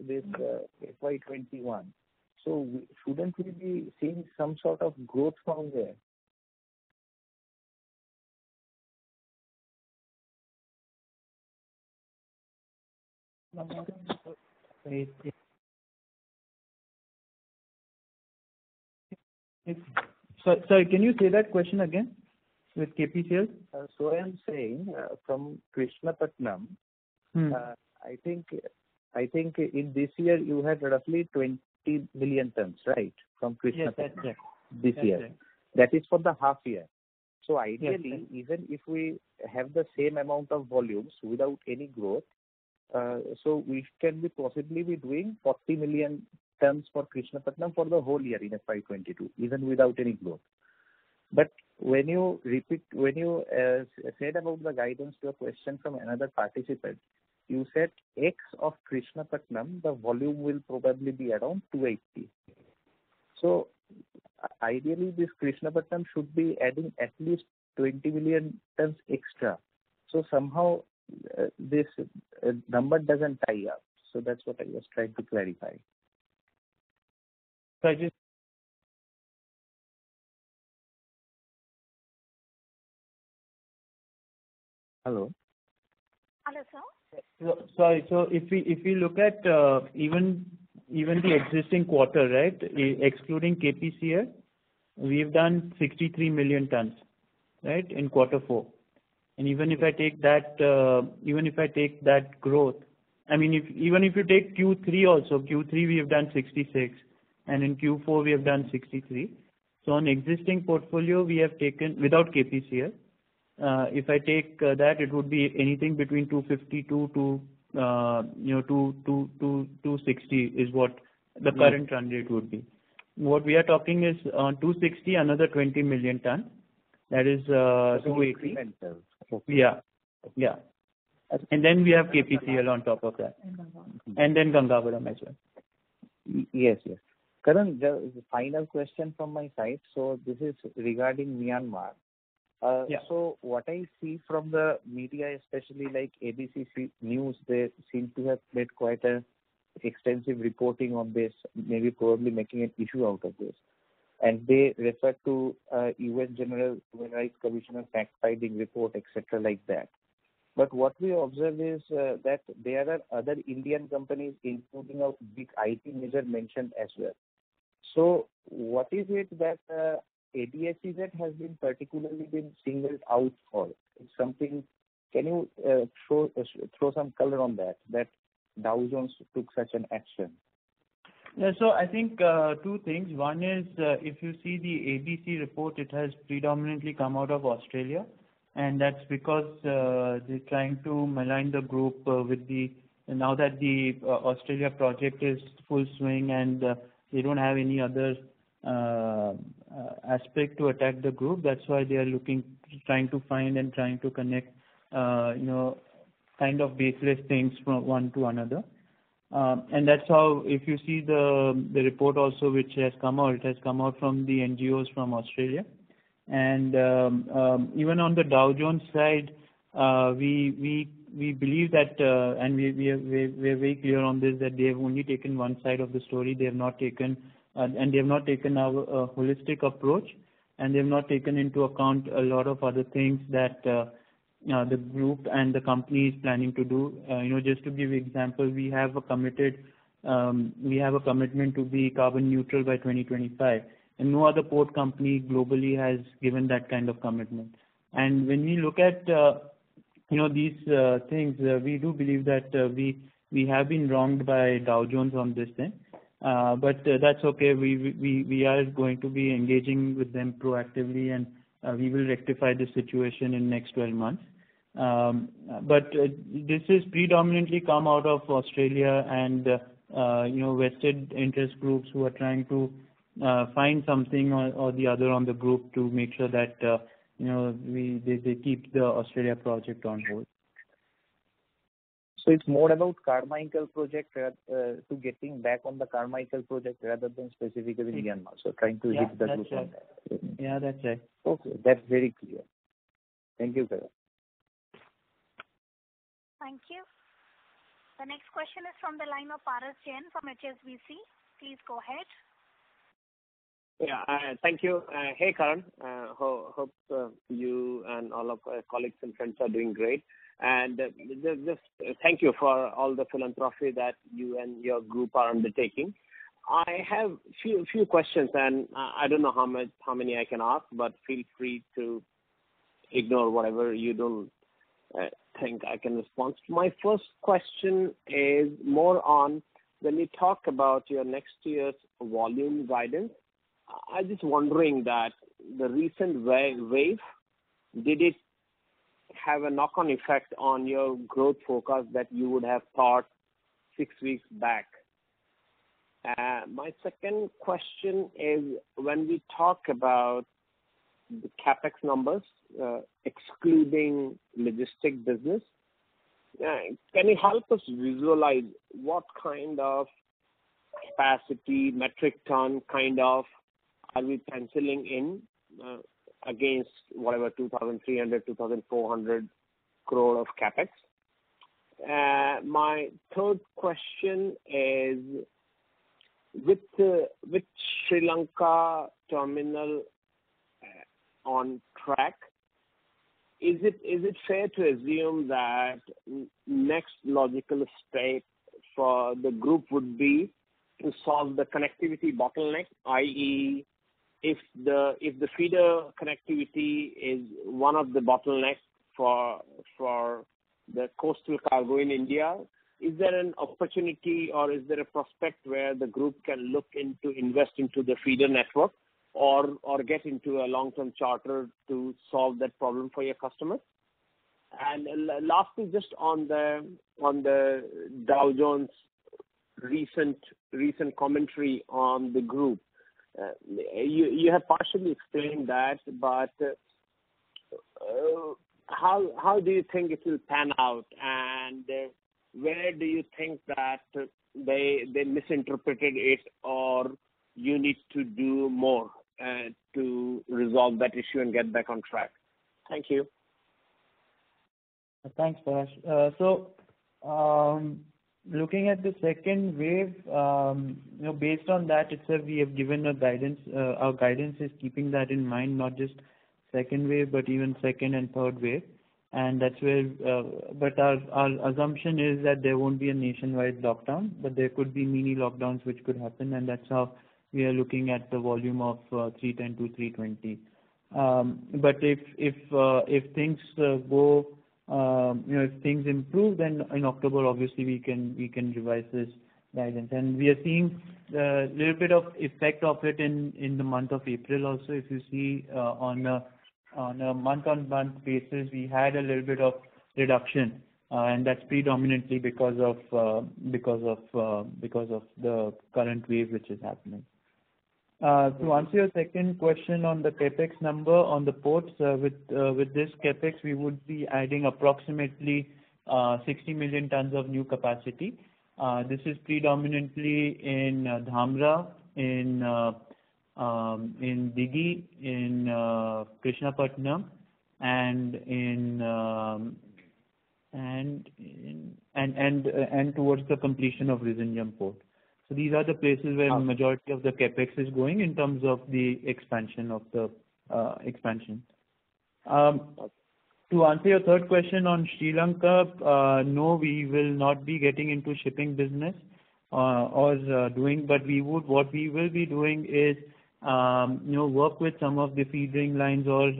this FY 2021. Shouldn't we be seeing some sort of growth from there? Sorry, can you say that question again with KP sales? I am saying from Krishnapatnam. I think in this year you had roughly 20 million tons, right? From Krishnapatnam. Yes, that's right. This year. That is for the half year. Ideally, even if we have the same amount of volumes without any growth, we can possibly be doing 40 million tons for Krishnapatnam for the whole year in FY 2022, even without any growth. When you said about the guidance to a question from another participant, you said ex of Krishnapatnam, the volume will probably be around 280 million tons. Ideally, this Krishnapatnam should be adding at least 20 million tons extra. Somehow, this number doesn't tie up. That's what I was trying to clarify. Hello. Hello, sir. Sorry. If we look at even the existing quarter, right, excluding KPCL, we've done 63 million tons in quarter four. Even if I take that growth, even if you take Q3 also, Q3 we have done 66 million tons, and in Q4, we have done 63 million tons. On existing portfolio, we have taken, without KPCL. If I take that, it would be anything between 252 million tons-260 million tons is what the current run rate would be. What we are talking is on 260 million tons, another 20 million tons. That is 280 million tons. Incremental. Yeah. Then we have KPCL on top of that. Gangavaram. Then Gangavaram as well. Yes. Karan, the final question from my side. This is regarding Myanmar. Yeah. What I see from the media, especially like ABC News, they seem to have made quite an extensive reporting on this, maybe probably making an issue out of this. They refer to UN Human Rights Council fact-finding report, et cetera, like that. What we observe is that there are other Indian companies including our big IT major mentioned as well. What is it that APSEZ has been particularly been singled out for? Can you throw some color on that Dow Jones took such an action? I think two things. One is if you see the ABC report, it has predominantly come out of Australia, and that's because they're trying to malign the group now that the Australia project is full swing and they don't have any other aspect to attack the group. That's why they are trying to find and trying to connect kind of baseless things from one to another. That's how if you see the report also, which has come out, it has come out from the NGOs from Australia. Even on the Dow Jones side, we believe that, and we are very clear on this, that they have only taken one side of the story. They have not taken a holistic approach, and they have not taken into account a lot of other things that the group and the company is planning to do. Just to give you example, we have a commitment to be carbon neutral by 2025. No other port company globally has given that kind of commitment. When we look at these things, we do believe that we have been wronged by Dow Jones on this thing. That's okay. We are going to be engaging with them proactively, and we will rectify the situation in next 12 months. This has predominantly come out of Australia and vested interest groups who are trying to find something or the other on the group to make sure that they keep the Australia project on hold. It's more about getting back on the Carmichael project rather than specifically Myanmar. Trying to hit the group on that. Yeah, that's right. Okay. That's very clear. Thank you, Karan. Thank you. The next question is from the line of Parash Jain from HSBC. Please go ahead. Yeah. Thank you. Hey, Karan. Hope you and all of colleagues and friends are doing great. Just thank you for all the philanthropy that you and your group are undertaking. I have few questions, and I don't know how many I can ask, but feel free to ignore whatever you don't think I can respond to. My first question is more on when we talk about your next year's volume guidance, I am just wondering that the recent wave, did it have a knock-on effect on your growth forecast that you would have thought six weeks back? My second question is, when we talk about the CapEx numbers excluding logistics business, can you help us visualize what kind of capacity, metric ton kind of, are we penciling in against whatever 2,300 crore, 2,400 crore of CapEx? My third question is, with Sri Lanka Terminal on track, is it fair to assume that next logical step for the group would be to solve the connectivity bottleneck, i.e., if the feeder connectivity is one of the bottlenecks for the coastal cargo in India, is there an opportunity or is there a prospect where the group can look into investing into the feeder network or get into a long-term charter to solve that problem for your customer? Lastly, just on the Dow Jones recent commentary on the group. You have partially explained that, but how do you think it will pan out, and where do you think that they misinterpreted it or you need to do more to resolve that issue and get back on track? Thank you. Thanks, Parash. Looking at the second wave, based on that itself we have given a guidance. Our guidance is keeping that in mind, not just second wave, but even second and third wave. Our assumption is that there won't be a nationwide lockdown, but there could be mini lockdowns which could happen, and that's how we are looking at the volume of 310 million tons-320 million tons. If things improve, in October, obviously we can revise this guidance. We are seeing a little bit of effect of it in the month of April also. If you see on a month-on-month basis, we had a little bit of reduction, that's predominantly because of the current wave which is happening. To answer your second question on the CapEx number on the ports, with this CapEx, we would be adding approximately 60 million tons of new capacity. This is predominantly in Dhamra, in Dighi, in Krishnapatnam, and towards the completion of Vizhinjam Port. These are the places where the majority of the CapEx is going in terms of the expansion. To answer your third question on Sri Lanka, no, we will not be getting into shipping business. What we will be doing is work with some of the feedering lines or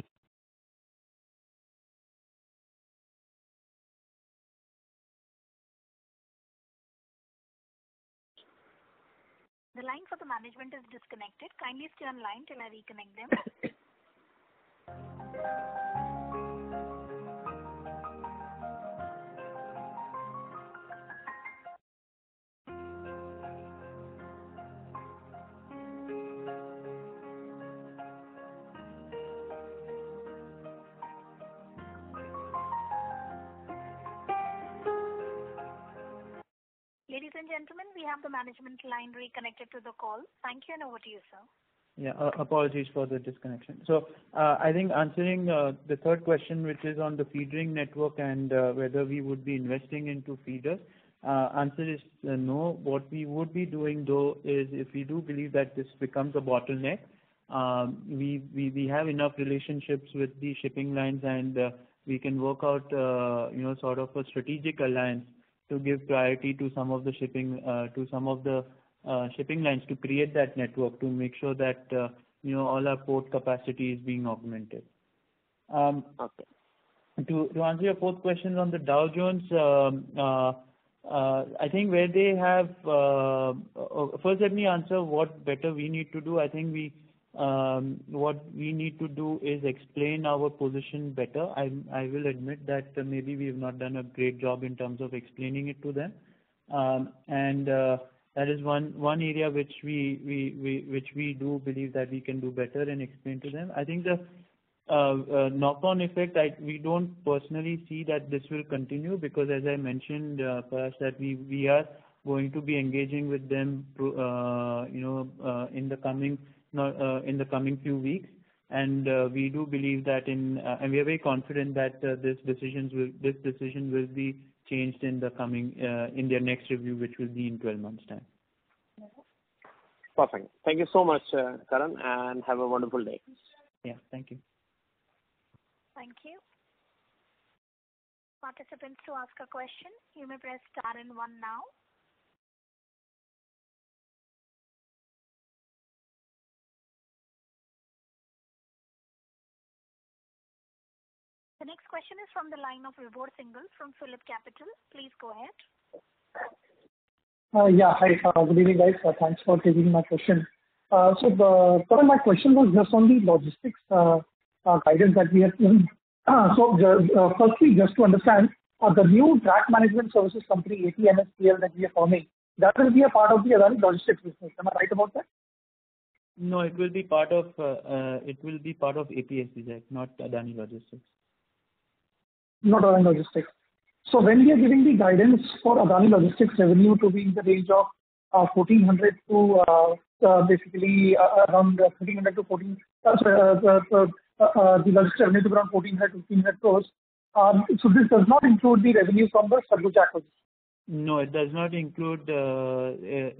The line for the management is disconnected. Kindly stay on line till I reconnect them. Ladies and gentlemen, we have the management line reconnected to the call. Thank you, and over to you, sir. Yeah, apologies for the disconnection. I think answering the third question, which is on the feedering network and whether we would be investing into feeders, answer is no. What we would be doing though is if we do believe that this becomes a bottleneck, we have enough relationships with the shipping lines and we can work out a sort of a strategic alliance to give priority to some of the shipping lines to create that network to make sure that all our port capacity is being augmented. Okay. To answer your fourth question on the Dow Jones, first let me answer what better we need to do. I think what we need to do is explain our position better. I will admit that maybe we have not done a great job in terms of explaining it to them. That is one area which we do believe that we can do better and explain to them. I think the knock-on effect, we don't personally see that this will continue because as I mentioned, Parash, that we are going to be engaging with them in the coming few weeks. We are very confident that this decision will be changed in their next review, which will be in 12 months time. Perfect. Thank you so much, Karan. Have a wonderful day. Yeah. Thank you. Thank you. Participants who ask a question, you may press star and one now. The next question is from the line of Vibhor Singhal from Phillip Capital. Please go ahead. Yeah. Hi. Good evening, guys. Thanks for taking my question. Karan, my question was just on the logistics guidance that we have seen. Firstly, just to understand, the new track management services company, ATMSPL that we are forming, that will be a part of the Adani Logistics business. Am I right about that? No, it will be part of APSEZ, not Adani Logistics. Not Adani Logistics. When we are giving the guidance for Adani Logistics revenue to be in the range of INR 1,400 crore-INR 1,500 crore. This does not include the revenue from the track management? No, it does not include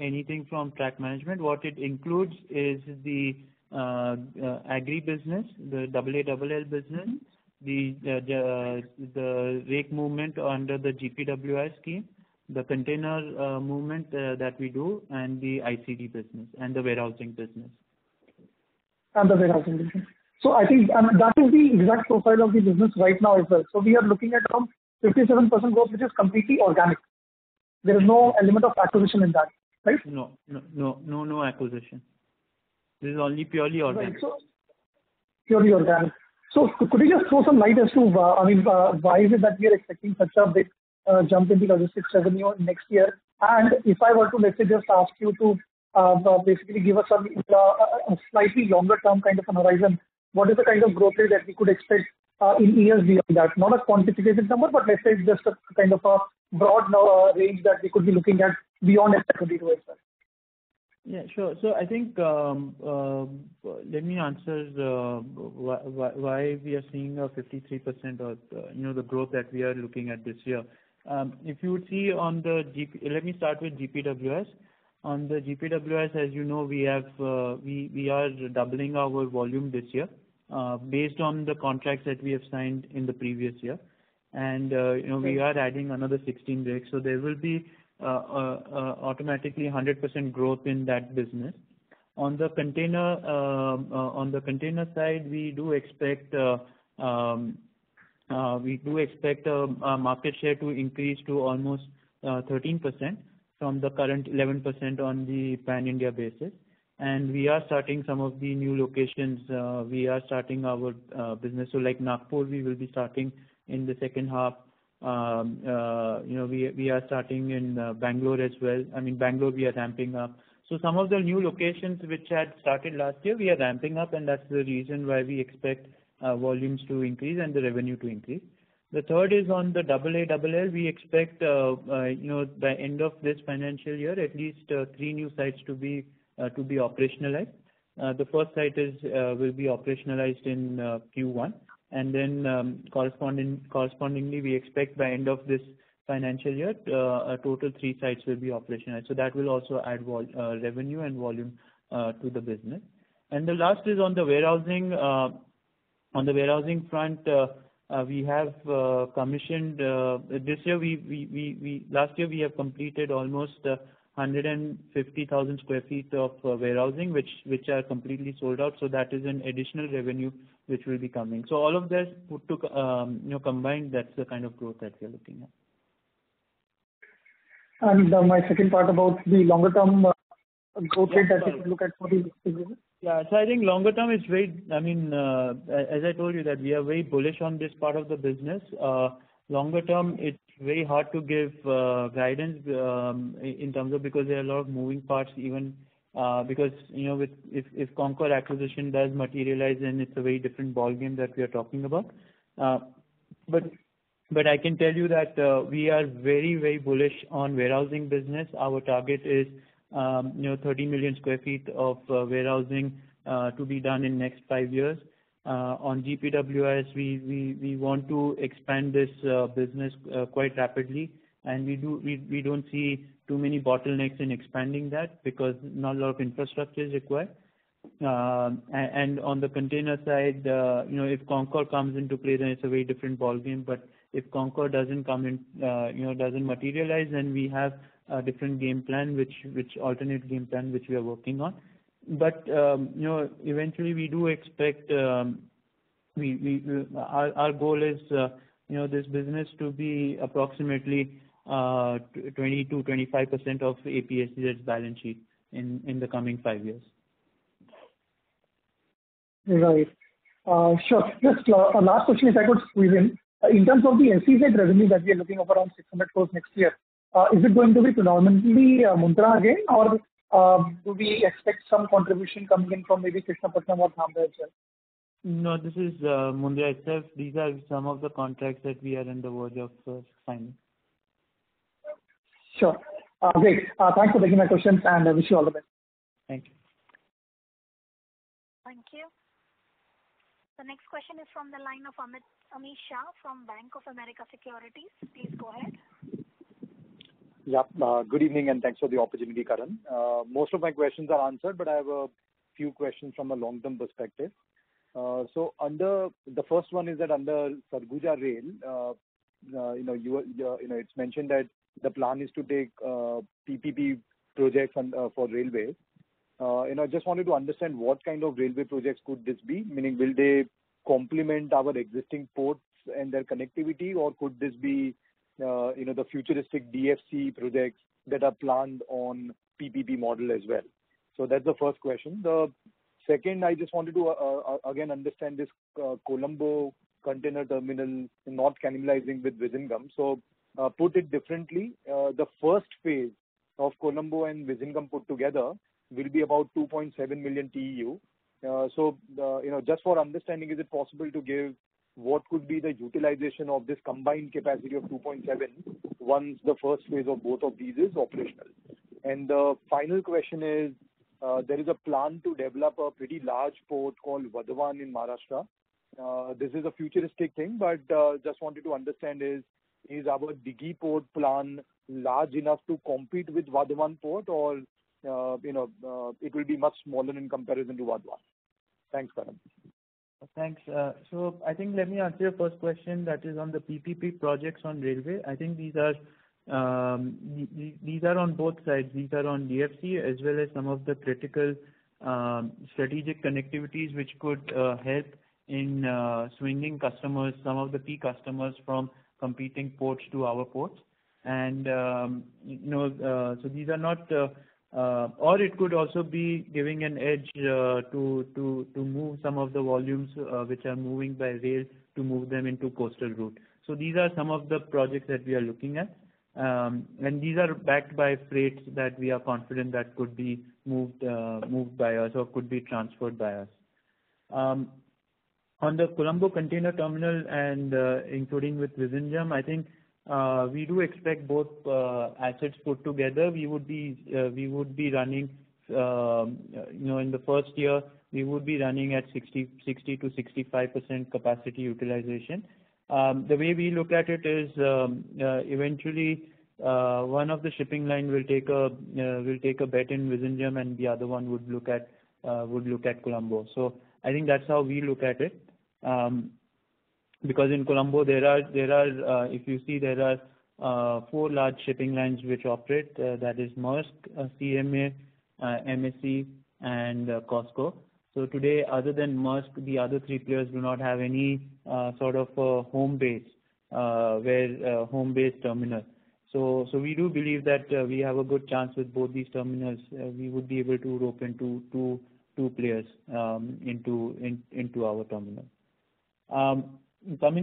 anything from track management. What it includes is the agri business, the AALL business, the rake movement under the GPWIS scheme, the container movement that we do, and the ICD business and the warehousing business. The warehousing. I think that is the exact profile of the business right now as well. We are looking at around 57% growth, which is completely organic. There is no element of acquisition in that, right? No acquisition. This is only purely organic. Purely organic. Could you just throw some light as to why is it that we are expecting such a big jump in the logistics revenue next year? If I were to, let's say, just ask you to basically give us a slightly longer-term kind of an horizon, what is the kind of growth rate that we could expect in years beyond that? Not a quantification number, let's say just a kind of a broad range that we could be looking at beyond FY 2022 as well. Yeah, sure. I think, let me answer why we are seeing a 53% of the growth that we are looking at this year. Let me start with GPWIS. On the GPWIS, as you know, we are doubling our volume this year based on the contracts that we have signed in the previous year. We are adding another 16 rakes. There will be automatically 100% growth in that business. On the container side, we do expect market share to increase to almost 13% from the current 11% on the pan-India basis. We are starting some of the new locations. We are starting our business. Like Nagpur, we will be starting in the second half. We are starting in Bangalore as well. I mean, Bangalore, we are ramping up. Some of the new locations which had started last year, we are ramping up, and that's the reason why we expect volumes to increase and the revenue to increase. The third is on the AALL. We expect, by end of this financial year, at least three new sites to be operationalized. The first site will be operationalized in Q1, and then correspondingly, we expect by end of this financial year, a total of three sites will be operational. That will also add revenue and volume to the business. The last is on the warehousing front. Last year, we have completed almost 150,000 sq ft of warehousing, which are completely sold out. That is an additional revenue which will be coming. All of that combined, that's the kind of growth that we are looking at. My second part about the longer-term growth rate that you can look at for the business. I think longer term, as I told you that we are very bullish on this part of the business. Longer term, it's very hard to give guidance in terms of, because there are a lot of moving parts even, because if CONCOR acquisition does materialize, then it's a very different ball game that we are talking about. I can tell you that we are very bullish on the warehousing business. Our target is 30 million sq ft of warehousing to be done in the next five years. On GPWIS, we want to expand this business quite rapidly, and we don't see too many bottlenecks in expanding that because not a lot of infrastructure is required. On the container side, if CONCOR comes into play, then it's a very different ball game. If CONCOR doesn't materialize, we have a different game plan, alternate game plan, which we are working on. Eventually our goal is this business to be approximately 20%-25% of APSEZ's balance sheet in the coming five years. Right. Sure. Just a last question, if I could squeeze in. In terms of the NCC revenue that we are looking for around 600 crore next year, is it going to be predominantly Mundra again, or do we expect some contribution coming in from maybe Krishnapatnam or Nhava Sheva? No, this is Mundra itself. These are some of the contracts that we are in the verge of signing. Sure. Great. Thanks for taking my questions, and I wish you all the best. Thank you. Thank you. The next question is from the line of Amish Shah from Bank of America Securities. Please go ahead. Yeah. Good evening, and thanks for the opportunity, Karan. Most of my questions are answered. I have a few questions from a long-term perspective. The first one is that under Sarguja Rail, it's mentioned that the plan is to take PPP projects for railways. I just wanted to understand what kind of railway projects could this be, meaning will they complement our existing ports and their connectivity, or could this be the futuristic DFC projects that are planned on PPP model as well? That's the first question. The second, I just wanted to again understand this Colombo West International Terminal not cannibalizing with Vizhinjam. Put it differently, the first phase of Colombo West International Terminal and Vizhinjam put together will be about 2.7 million TEU. Just for understanding, is it possible to give what could be the utilization of this combined capacity of 2.7 once the first phase of both of these is operational? The final question is, there is a plan to develop a pretty large port called Vadhavan in Maharashtra. This is a futuristic thing, but just wanted to understand is our Dighi Port plan large enough to compete with Vadhavan port, or it will be much smaller in comparison to Vadhavan? Thanks, Karan. Thanks. I think let me answer your first question that is on the PPP projects on railway. I think these are on both sides. These are on DFC as well as some of the critical strategic connectivities which could help in swinging customers, some of the key customers from competing ports to our ports. It could also be giving an edge to move some of the volumes which are moving by rail to move them into coastal route. These are some of the projects that we are looking at. These are backed by freight that we are confident that could be moved by us or could be transferred by us. On the Colombo Container Terminal and including with Vizhinjam, I think we do expect both assets put together. In the first year, we would be running at 60%-65% capacity utilization. The way we look at it is, eventually, one of the shipping lines will take a bet in Vizhinjam and the other one would look at Colombo. I think that's how we look at it. In Colombo, if you see, there are four large shipping lines which operate, that is Maersk, CMA, MSC, and COSCO. Today, other than Maersk, the other three players do not have any sort of home base terminal. We do believe that we have a good chance with both these terminals. We would be able to rope in two players into our terminal. Coming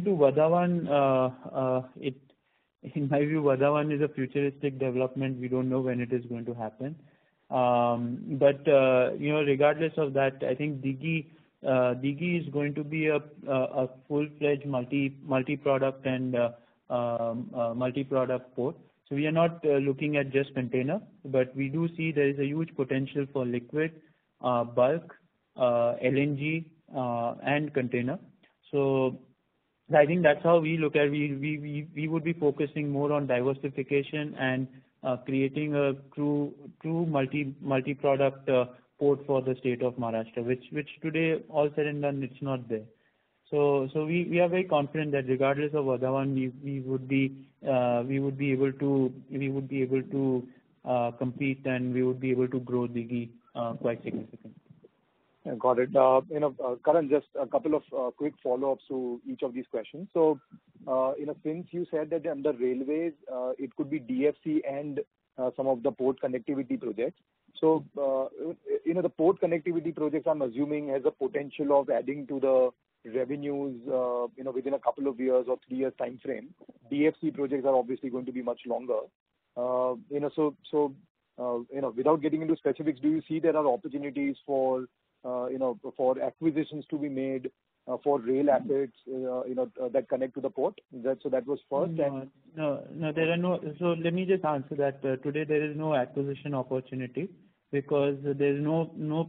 to Vadhavan, in my view Vadhavan is a futuristic development. We don't know when it is going to happen. Regardless of that, I think Dighi is going to be a full-fledged multi-product port. We are not looking at just container, but we do see there is a huge potential for liquid, bulk, LNG, and container. I think that's how we look at. We would be focusing more on diversification and creating a true multi-product port for the state of Maharashtra, which today, all said and done, it's not there. We are very confident that regardless of Vadhavan we would be able to compete and we would be able to grow Dighi quite significantly. Got it. Karan, just a couple of quick follow-ups to each of these questions. Since you said that under railways it could be DFC and some of the port connectivity projects. The port connectivity projects, I'm assuming, has a potential of adding to the revenues within a couple of years or three-year timeframe. DFC projects are obviously going to be much longer. Without getting into specifics, do you see there are opportunities for acquisitions to be made for rail assets that connect to the port? That was first. No. Let me just answer that. Today there is no acquisition opportunity because there is no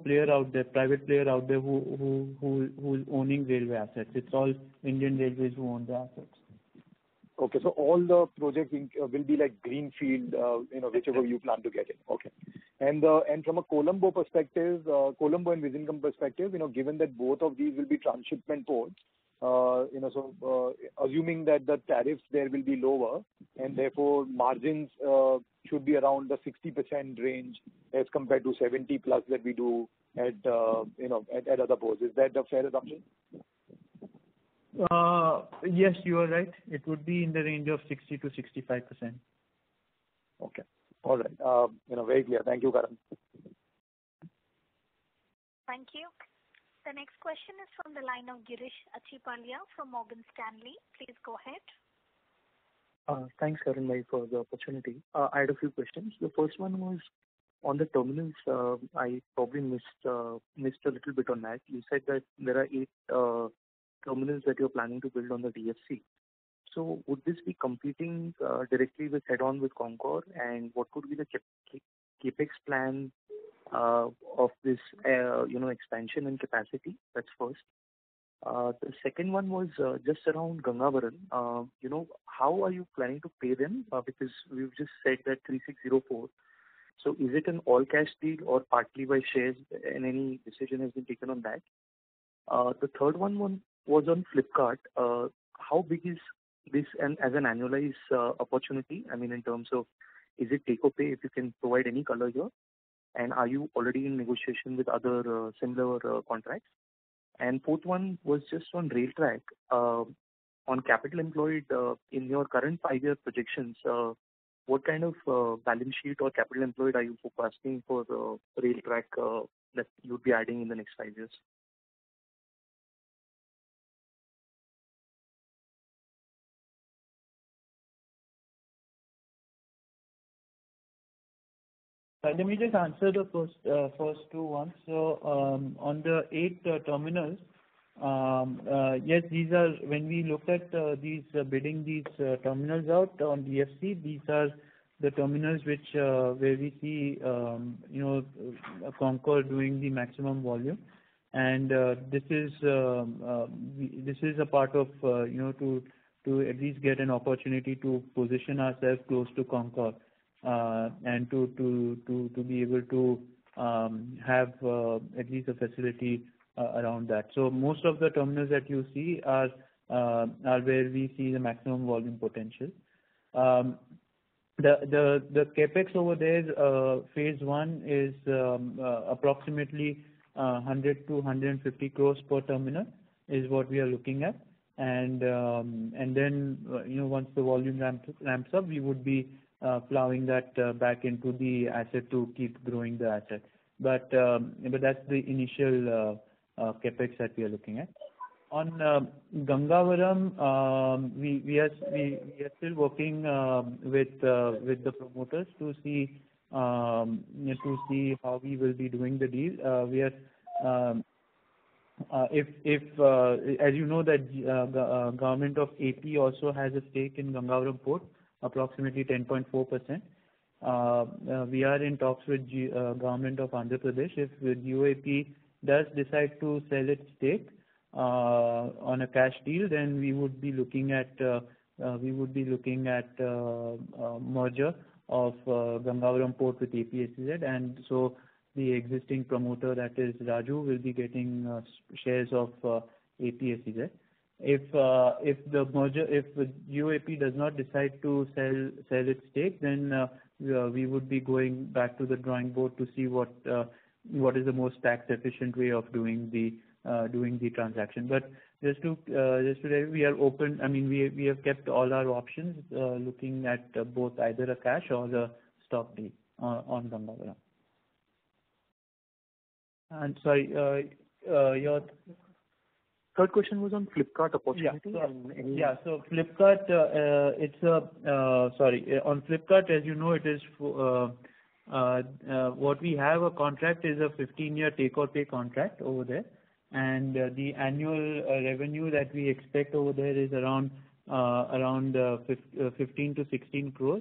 private player out there who is owning railway assets. It's all Indian Railways who own the assets. Okay. All the projects will be like greenfield, whichever you plan to get in. Okay. From a Colombo and Vizhinjam perspective, given that both of these will be transshipment ports, so assuming that the tariffs there will be lower and therefore margins should be around the 60% range as compared to 70%+ that we do at other ports. Is that a fair assumption? Yes, you are right. It would be in the range of 60%-65%. Okay. All right. Very clear. Thank you, Karan. Thank you. The next question is from the line of Girish Achhipalia from Morgan Stanley. Please go ahead. Thanks, Karan, for the opportunity. I had a few questions. The first one was on the terminals. I probably missed a little bit on that. You said that there are eight terminals that you're planning to build on the DFC. Would this be competing directly with head-on with CONCOR? What would be the CapEx plan of this expansion and capacity? That's first. The second one was just around Gangavaram. How are you planning to pay them? Because we've just said that 3,604 crore. Is it an all-cash deal or partly by shares? Any decision has been taken on that? The third one was on Flipkart. How big is this as an annualized opportunity, in terms of is it take or pay, if you can provide any color here? Are you already in negotiation with other similar contracts? Fourth one was just on Rail Track. On capital employed in your current five-year projections, what kind of balance sheet or capital employed are you forecasting for the Rail Track that you'd be adding in the next five years? Let me just answer the first two ones. On the eight terminals, when we looked at bidding these terminals out on DFC, these are the terminals where we see CONCOR doing the maximum volume. This is a part of to at least get an opportunity to position ourselves close to CONCOR, and to be able to have at least a facility around that. Most of the terminals that you see are where we see the maximum volume potential. The CapEx over there, Phase 1 is approximately 100 crore-150 crores per terminal, is what we are looking at. Once the volume ramps up, we would be plowing that back into the asset to keep growing the asset. That's the initial CapEx that we are looking at. On Gangavaram, we are still working with the promoters to see how we will be doing the deal. As you know, the government of AP also has a stake in Gangavaram Port, approximately 10.4%. We are in talks with government of Andhra Pradesh. If GoAP does decide to sell its stake on a cash deal, then we would be looking at merger of Gangavaram Port with APSEZ, and so the existing promoter, that is Raju, will be getting shares of APSEZ. If GoAP does not decide to sell its stake, then we would be going back to the drawing board to see what is the most tax-efficient way of doing the transaction. We have kept all our options, looking at both either a cash or the stock deal on Gangavaram. Sorry, your third question was on Flipkart opportunity? Yeah Sorry. On Flipkart, as you know, what we have a contract is a 15-year take-or-pay contract over there. The annual revenue that we expect over there is around 15 crore-16 crore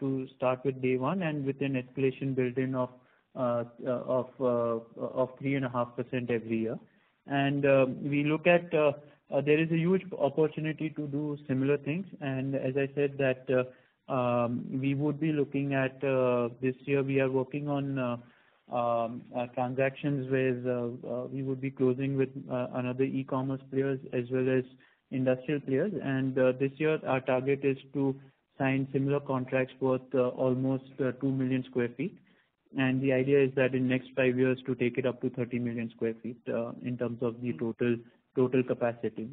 to start with day one, with an escalation built in of 3.5% every year. We look at, there is a huge opportunity to do similar things. As I said that we would be looking at this year, we are working on transactions. We would be closing with another e-commerce players as well as industrial players. This year, our target is to sign similar contracts worth almost 2 million sq ft. The idea is that in next five years to take it up to 30 million sq ft in terms of the total capacity.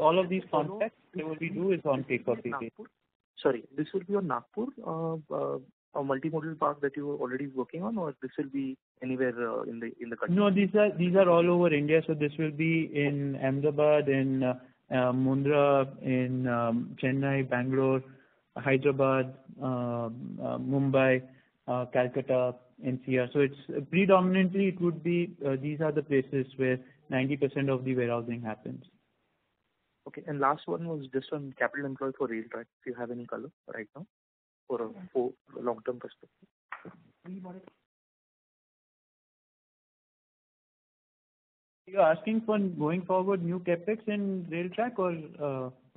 All of these contracts that we do is on take-or-pay basis. Sorry, this will be on Nagpur, a multimodal park that you are already working on, or this will be anywhere in the country? No, these are all over India. This will be in Ahmedabad, in Mundra, in Chennai, Bangalore, Hyderabad, Mumbai, Calcutta, NCR. Predominantly, these are the places where 90% of the warehousing happens. Okay. Last one was just on capital employed for Rail Track, if you have any color right now for a long-term perspective. You're asking for going forward new CapEx in Rail Track or?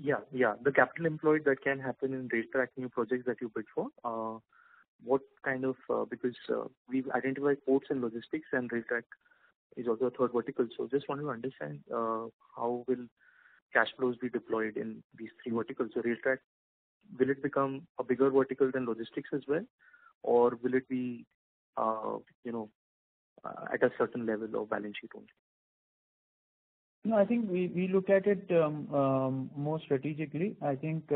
Yeah. The capital employed that can happen in Rail Track, new projects that you bid for. We've identified ports and logistics, and Rail Track is also a third vertical. Just want to understand, how will cash flows be deployed in these three verticals. Rail Track, will it become a bigger vertical than logistics as well, or will it be at a certain level of balance sheet only? I think we look at it more strategically. Depending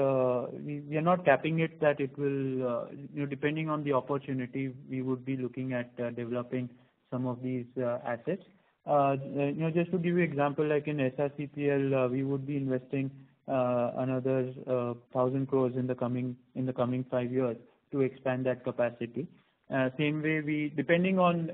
on the opportunity, we would be looking at developing some of these assets. Just to give you example like in SRCPL, we would be investing another 1,000 crore in the coming five years to expand that capacity. Same way, depending on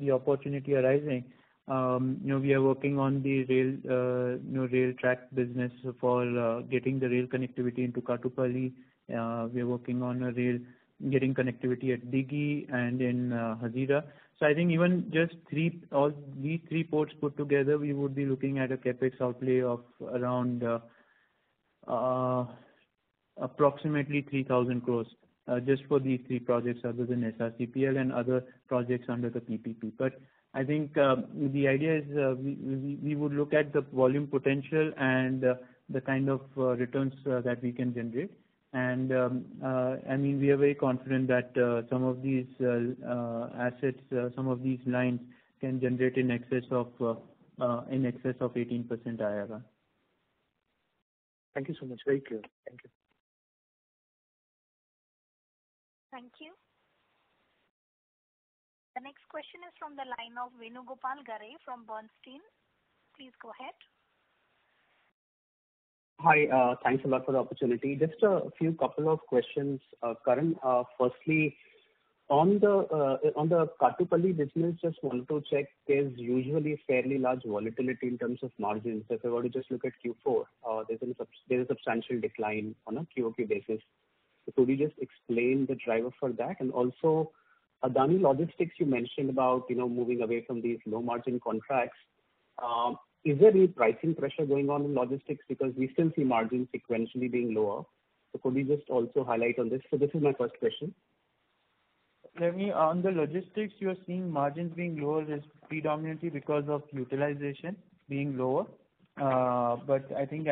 the opportunity arising, we are working on the rail track business for getting the rail connectivity into Kattupalli. We are working on getting connectivity at Dighi and in Hazira. Even just these three ports put together, we would be looking at a CapEx outlay of around approximately 3,000 crore, just for these three projects, other than SRCPL and other projects under the PPP. The idea is we would look at the volume potential and the kind of returns that we can generate. We are very confident that some of these assets, some of these lines can generate in excess of 18% IRR. Thank you so much. Very clear. Thank you. Thank you. The next question is from the line of Venugopal Garre from Bernstein. Please go ahead. Hi. Thanks a lot for the opportunity. Just a few couple of questions, Karan. Firstly, on the Kattupalli business, just want to check, there is usually fairly large volatility in terms of margins. If I were to just look at Q4, there is a substantial decline on a QoQ basis. Could we just explain the driver for that? Also, Adani Logistics, you mentioned about moving away from these low margin contracts. Is there any pricing pressure going on in logistics because we still see margins sequentially being lower. Could we just also highlight on this? This is my first question. Venu, on the logistics you are seeing margins being lower is predominantly because of utilization being lower. I think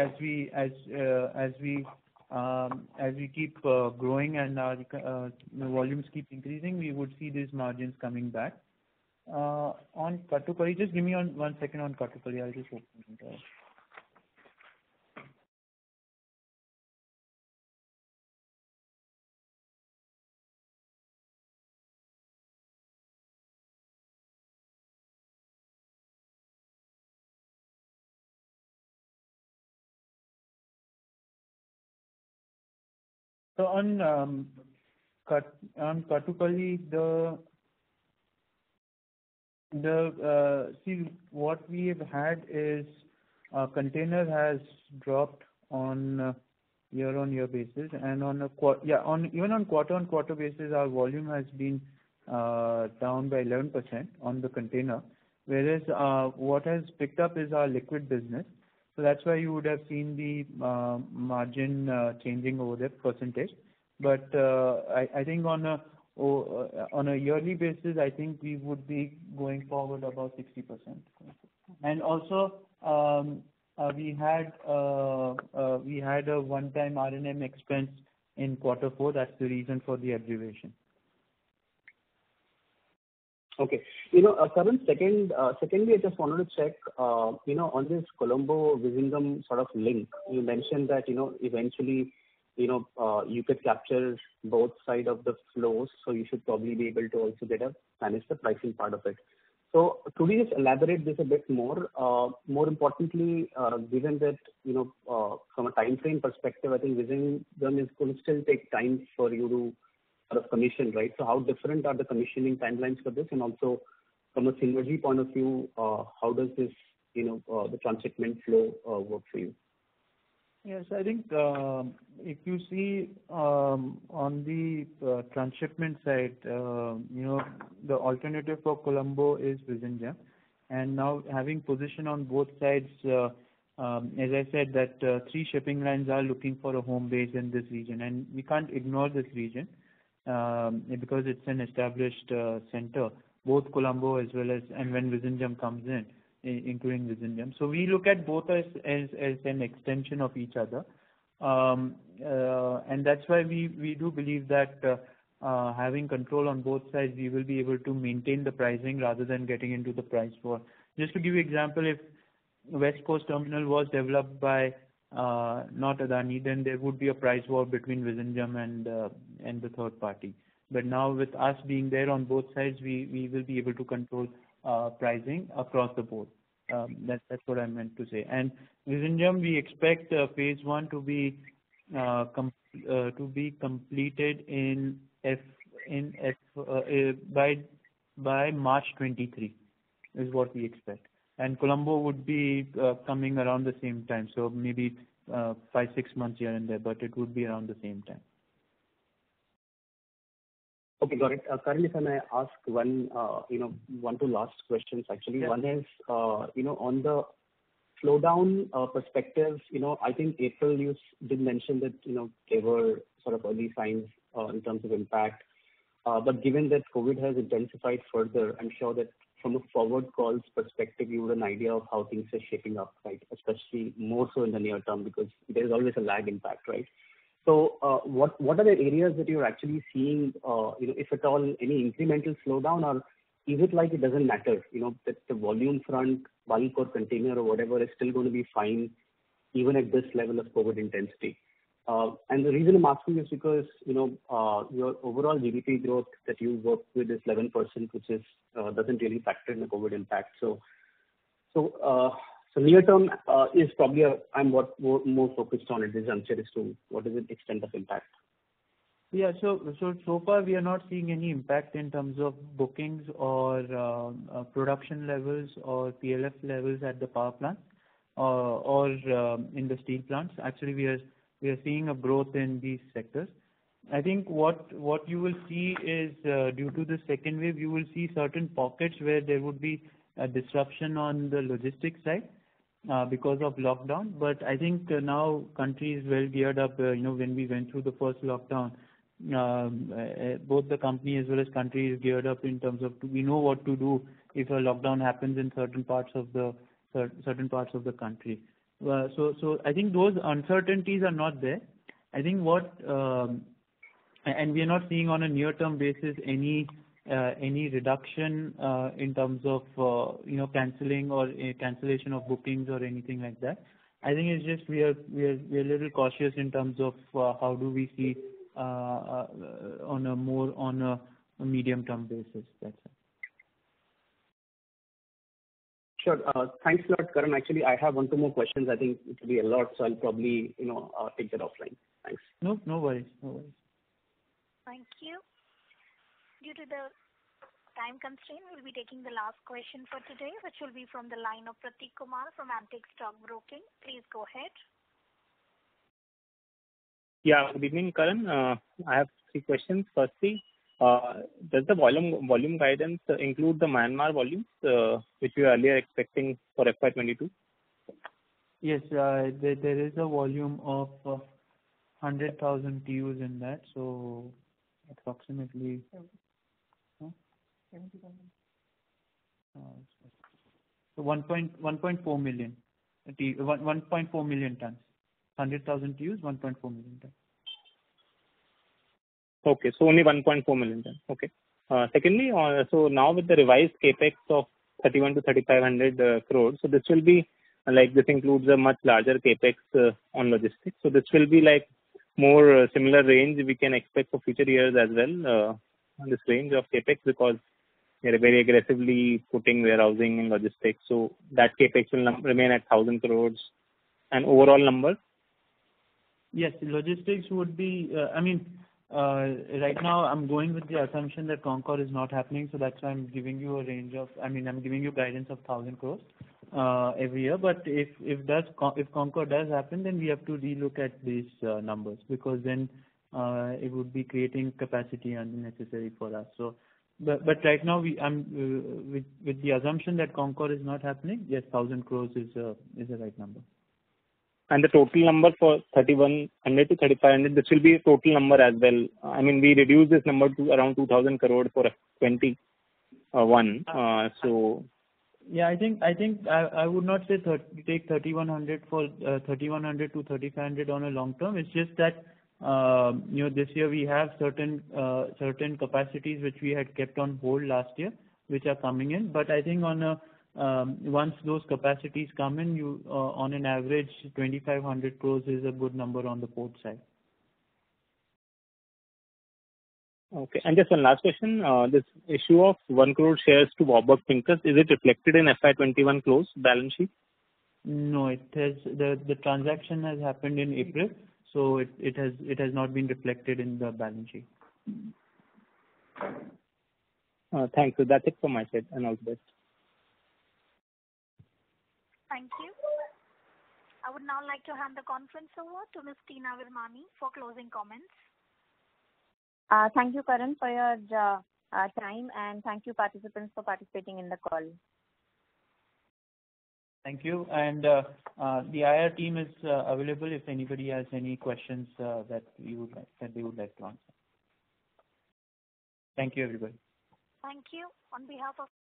as we keep growing and our volumes keep increasing, we would see these margins coming back. On Kattupalli, just give me one second on Kattupalli. I'll just open it. On Kattupalli, what we have had is our container has dropped on year-on-year basis and even on quarter-on-quarter basis, our volume has been down by 11% on the container. What has picked up is our liquid business. That's why you would have seen the margin changing over that percentage. I think on a yearly basis, I think we would be going forward about 60%. Also we had a one-time R&M expense in quarter four. That's the reason for the aberration. Okay. Karan, secondly, I just wanted to check on this Colombo-Vizhinjam sort of link. You mentioned that eventually you could capture both sides of the flows, so you should probably be able to also better manage the pricing part of it. Could we just elaborate this a bit more? More importantly, given that from a timeframe perspective, I think Vizhinjam is going to still take time for you to sort of commission, right? How different are the commissioning timelines for this? Also from a synergy point of view, how does the transshipment flow work for you? Yes. I think if you see on the transshipment side the alternative for Colombo is Vizhinjam. Now having position on both sides, as I said that three shipping lines are looking for a home base in this region, and we can't ignore this region because it's an established center both Colombo as well as and when Vizhinjam comes in, including Vizhinjam. We look at both as an extension of each other. That's why we do believe that having control on both sides we will be able to maintain the pricing rather than getting into the price war. Just to give you example, if West Coast Terminal was developed by not Adani then there would be a price war between Vizhinjam and the third party. Now with us being there on both sides we will be able to control pricing across the board. That's what I meant to say. Vizhinjam we expect Phase 1 to be completed by March 2023, is what we expect. Colombo would be coming around the same time. Maybe five, six months here and there, it would be around the same time. Okay, got it. Karan, if I may ask one to last questions actually. Yeah. One is on the slowdown perspective I think April you did mention that there were sort of early signs in terms of impact. Given that COVID has intensified further, I'm sure that from a forward calls perspective you have an idea of how things are shaping up, right? Especially more so in the near term because there's always a lag impact, right? What are the areas that you're actually seeing if at all any incremental slowdown or is it like it doesn't matter that the volume front, bulk or container or whatever is still going to be fine even at this level of COVID intensity? The reason I'm asking is because your overall GDP growth that you worked with is 11%, which doesn't really factor in the COVID impact. Near term is probably I'm more focused on it is answer is to what is the extent of impact. Yeah. So far we are not seeing any impact in terms of bookings or production levels or PLF levels at the power plant or in the steel plants. Actually we are seeing a growth in these sectors. I think what you will see is due to the second wave you will see certain pockets where there would be a disruption on the logistics side because of lockdown. I think now countries well geared up when we went through the first lockdown both the company as well as country is geared up in terms of we know what to do if a lockdown happens in certain parts of the country. I think those uncertainties are not there. We are not seeing on a near-term basis any reduction in terms of canceling or cancellation of bookings or anything like that. I think it's just we are a little cautious in terms of how do we see on a medium-term basis. That's it. Sure. Thanks a lot, Karan. Actually I have one to more questions. I think it will be a lot so I'll probably take that offline. Thanks. No worries. Thank you. Due to the time constraint, we'll be taking the last question for today, which will be from the line of Prateek Kumar from Antique Stock Broking. Please go ahead. Yeah. Good evening, Karan. I have three questions. Firstly, does the volume guidance include the Myanmar volumes which you earlier expecting for FY 2022? Yes. There is a volume of 100,000 TEUs in that, so approximately 1.4 million tons. 100,000 TEUs, 1.4 million tons. Only 1.4 million tons. Secondly, now with the revised CapEx of 3,100-3,500 crores, this includes a much larger CapEx on logistics. This will be more similar range we can expect for future years as well on this range of CapEx, because they are very aggressively putting warehousing and logistics. That CapEx will remain at 1,000 crores an overall number? Yes. Right now I'm going with the assumption that CONCOR is not happening, that's why I'm giving you guidance of 1,000 crore every year. If CONCOR does happen, we have to relook at these numbers because it would be creating capacity unnecessary for us. Right now, with the assumption that CONCOR is not happening, yes, 1,000 crore is the right number. The total number for 3,100-3,500, this will be a total number as well. We reduced this number to around 2,000 crores for 2021. I think I would not take 3,100-3,500 on a long term. It's just that this year we have certain capacities which we had kept on hold last year, which are coming in. I think once those capacities come in, on an average, 2,500 crore is a good number on the port side. Okay. Just one last question. This issue of 1 crore shares to Warburg Pincus, is it reflected in FY 2021 close balance sheet? No. The transaction has happened in April, so it has not been reflected in the balance sheet. Thank you. That's it from my side, and all the best. Thank you. I would now like to hand the conference over to Ms. Teena Virmani for closing comments. Thank you, Karan, for your time, and thank you participants for participating in the call. Thank you. The IR team is available if anybody has any questions that we would like to answer. Thank you, everybody. Thank you on behalf of.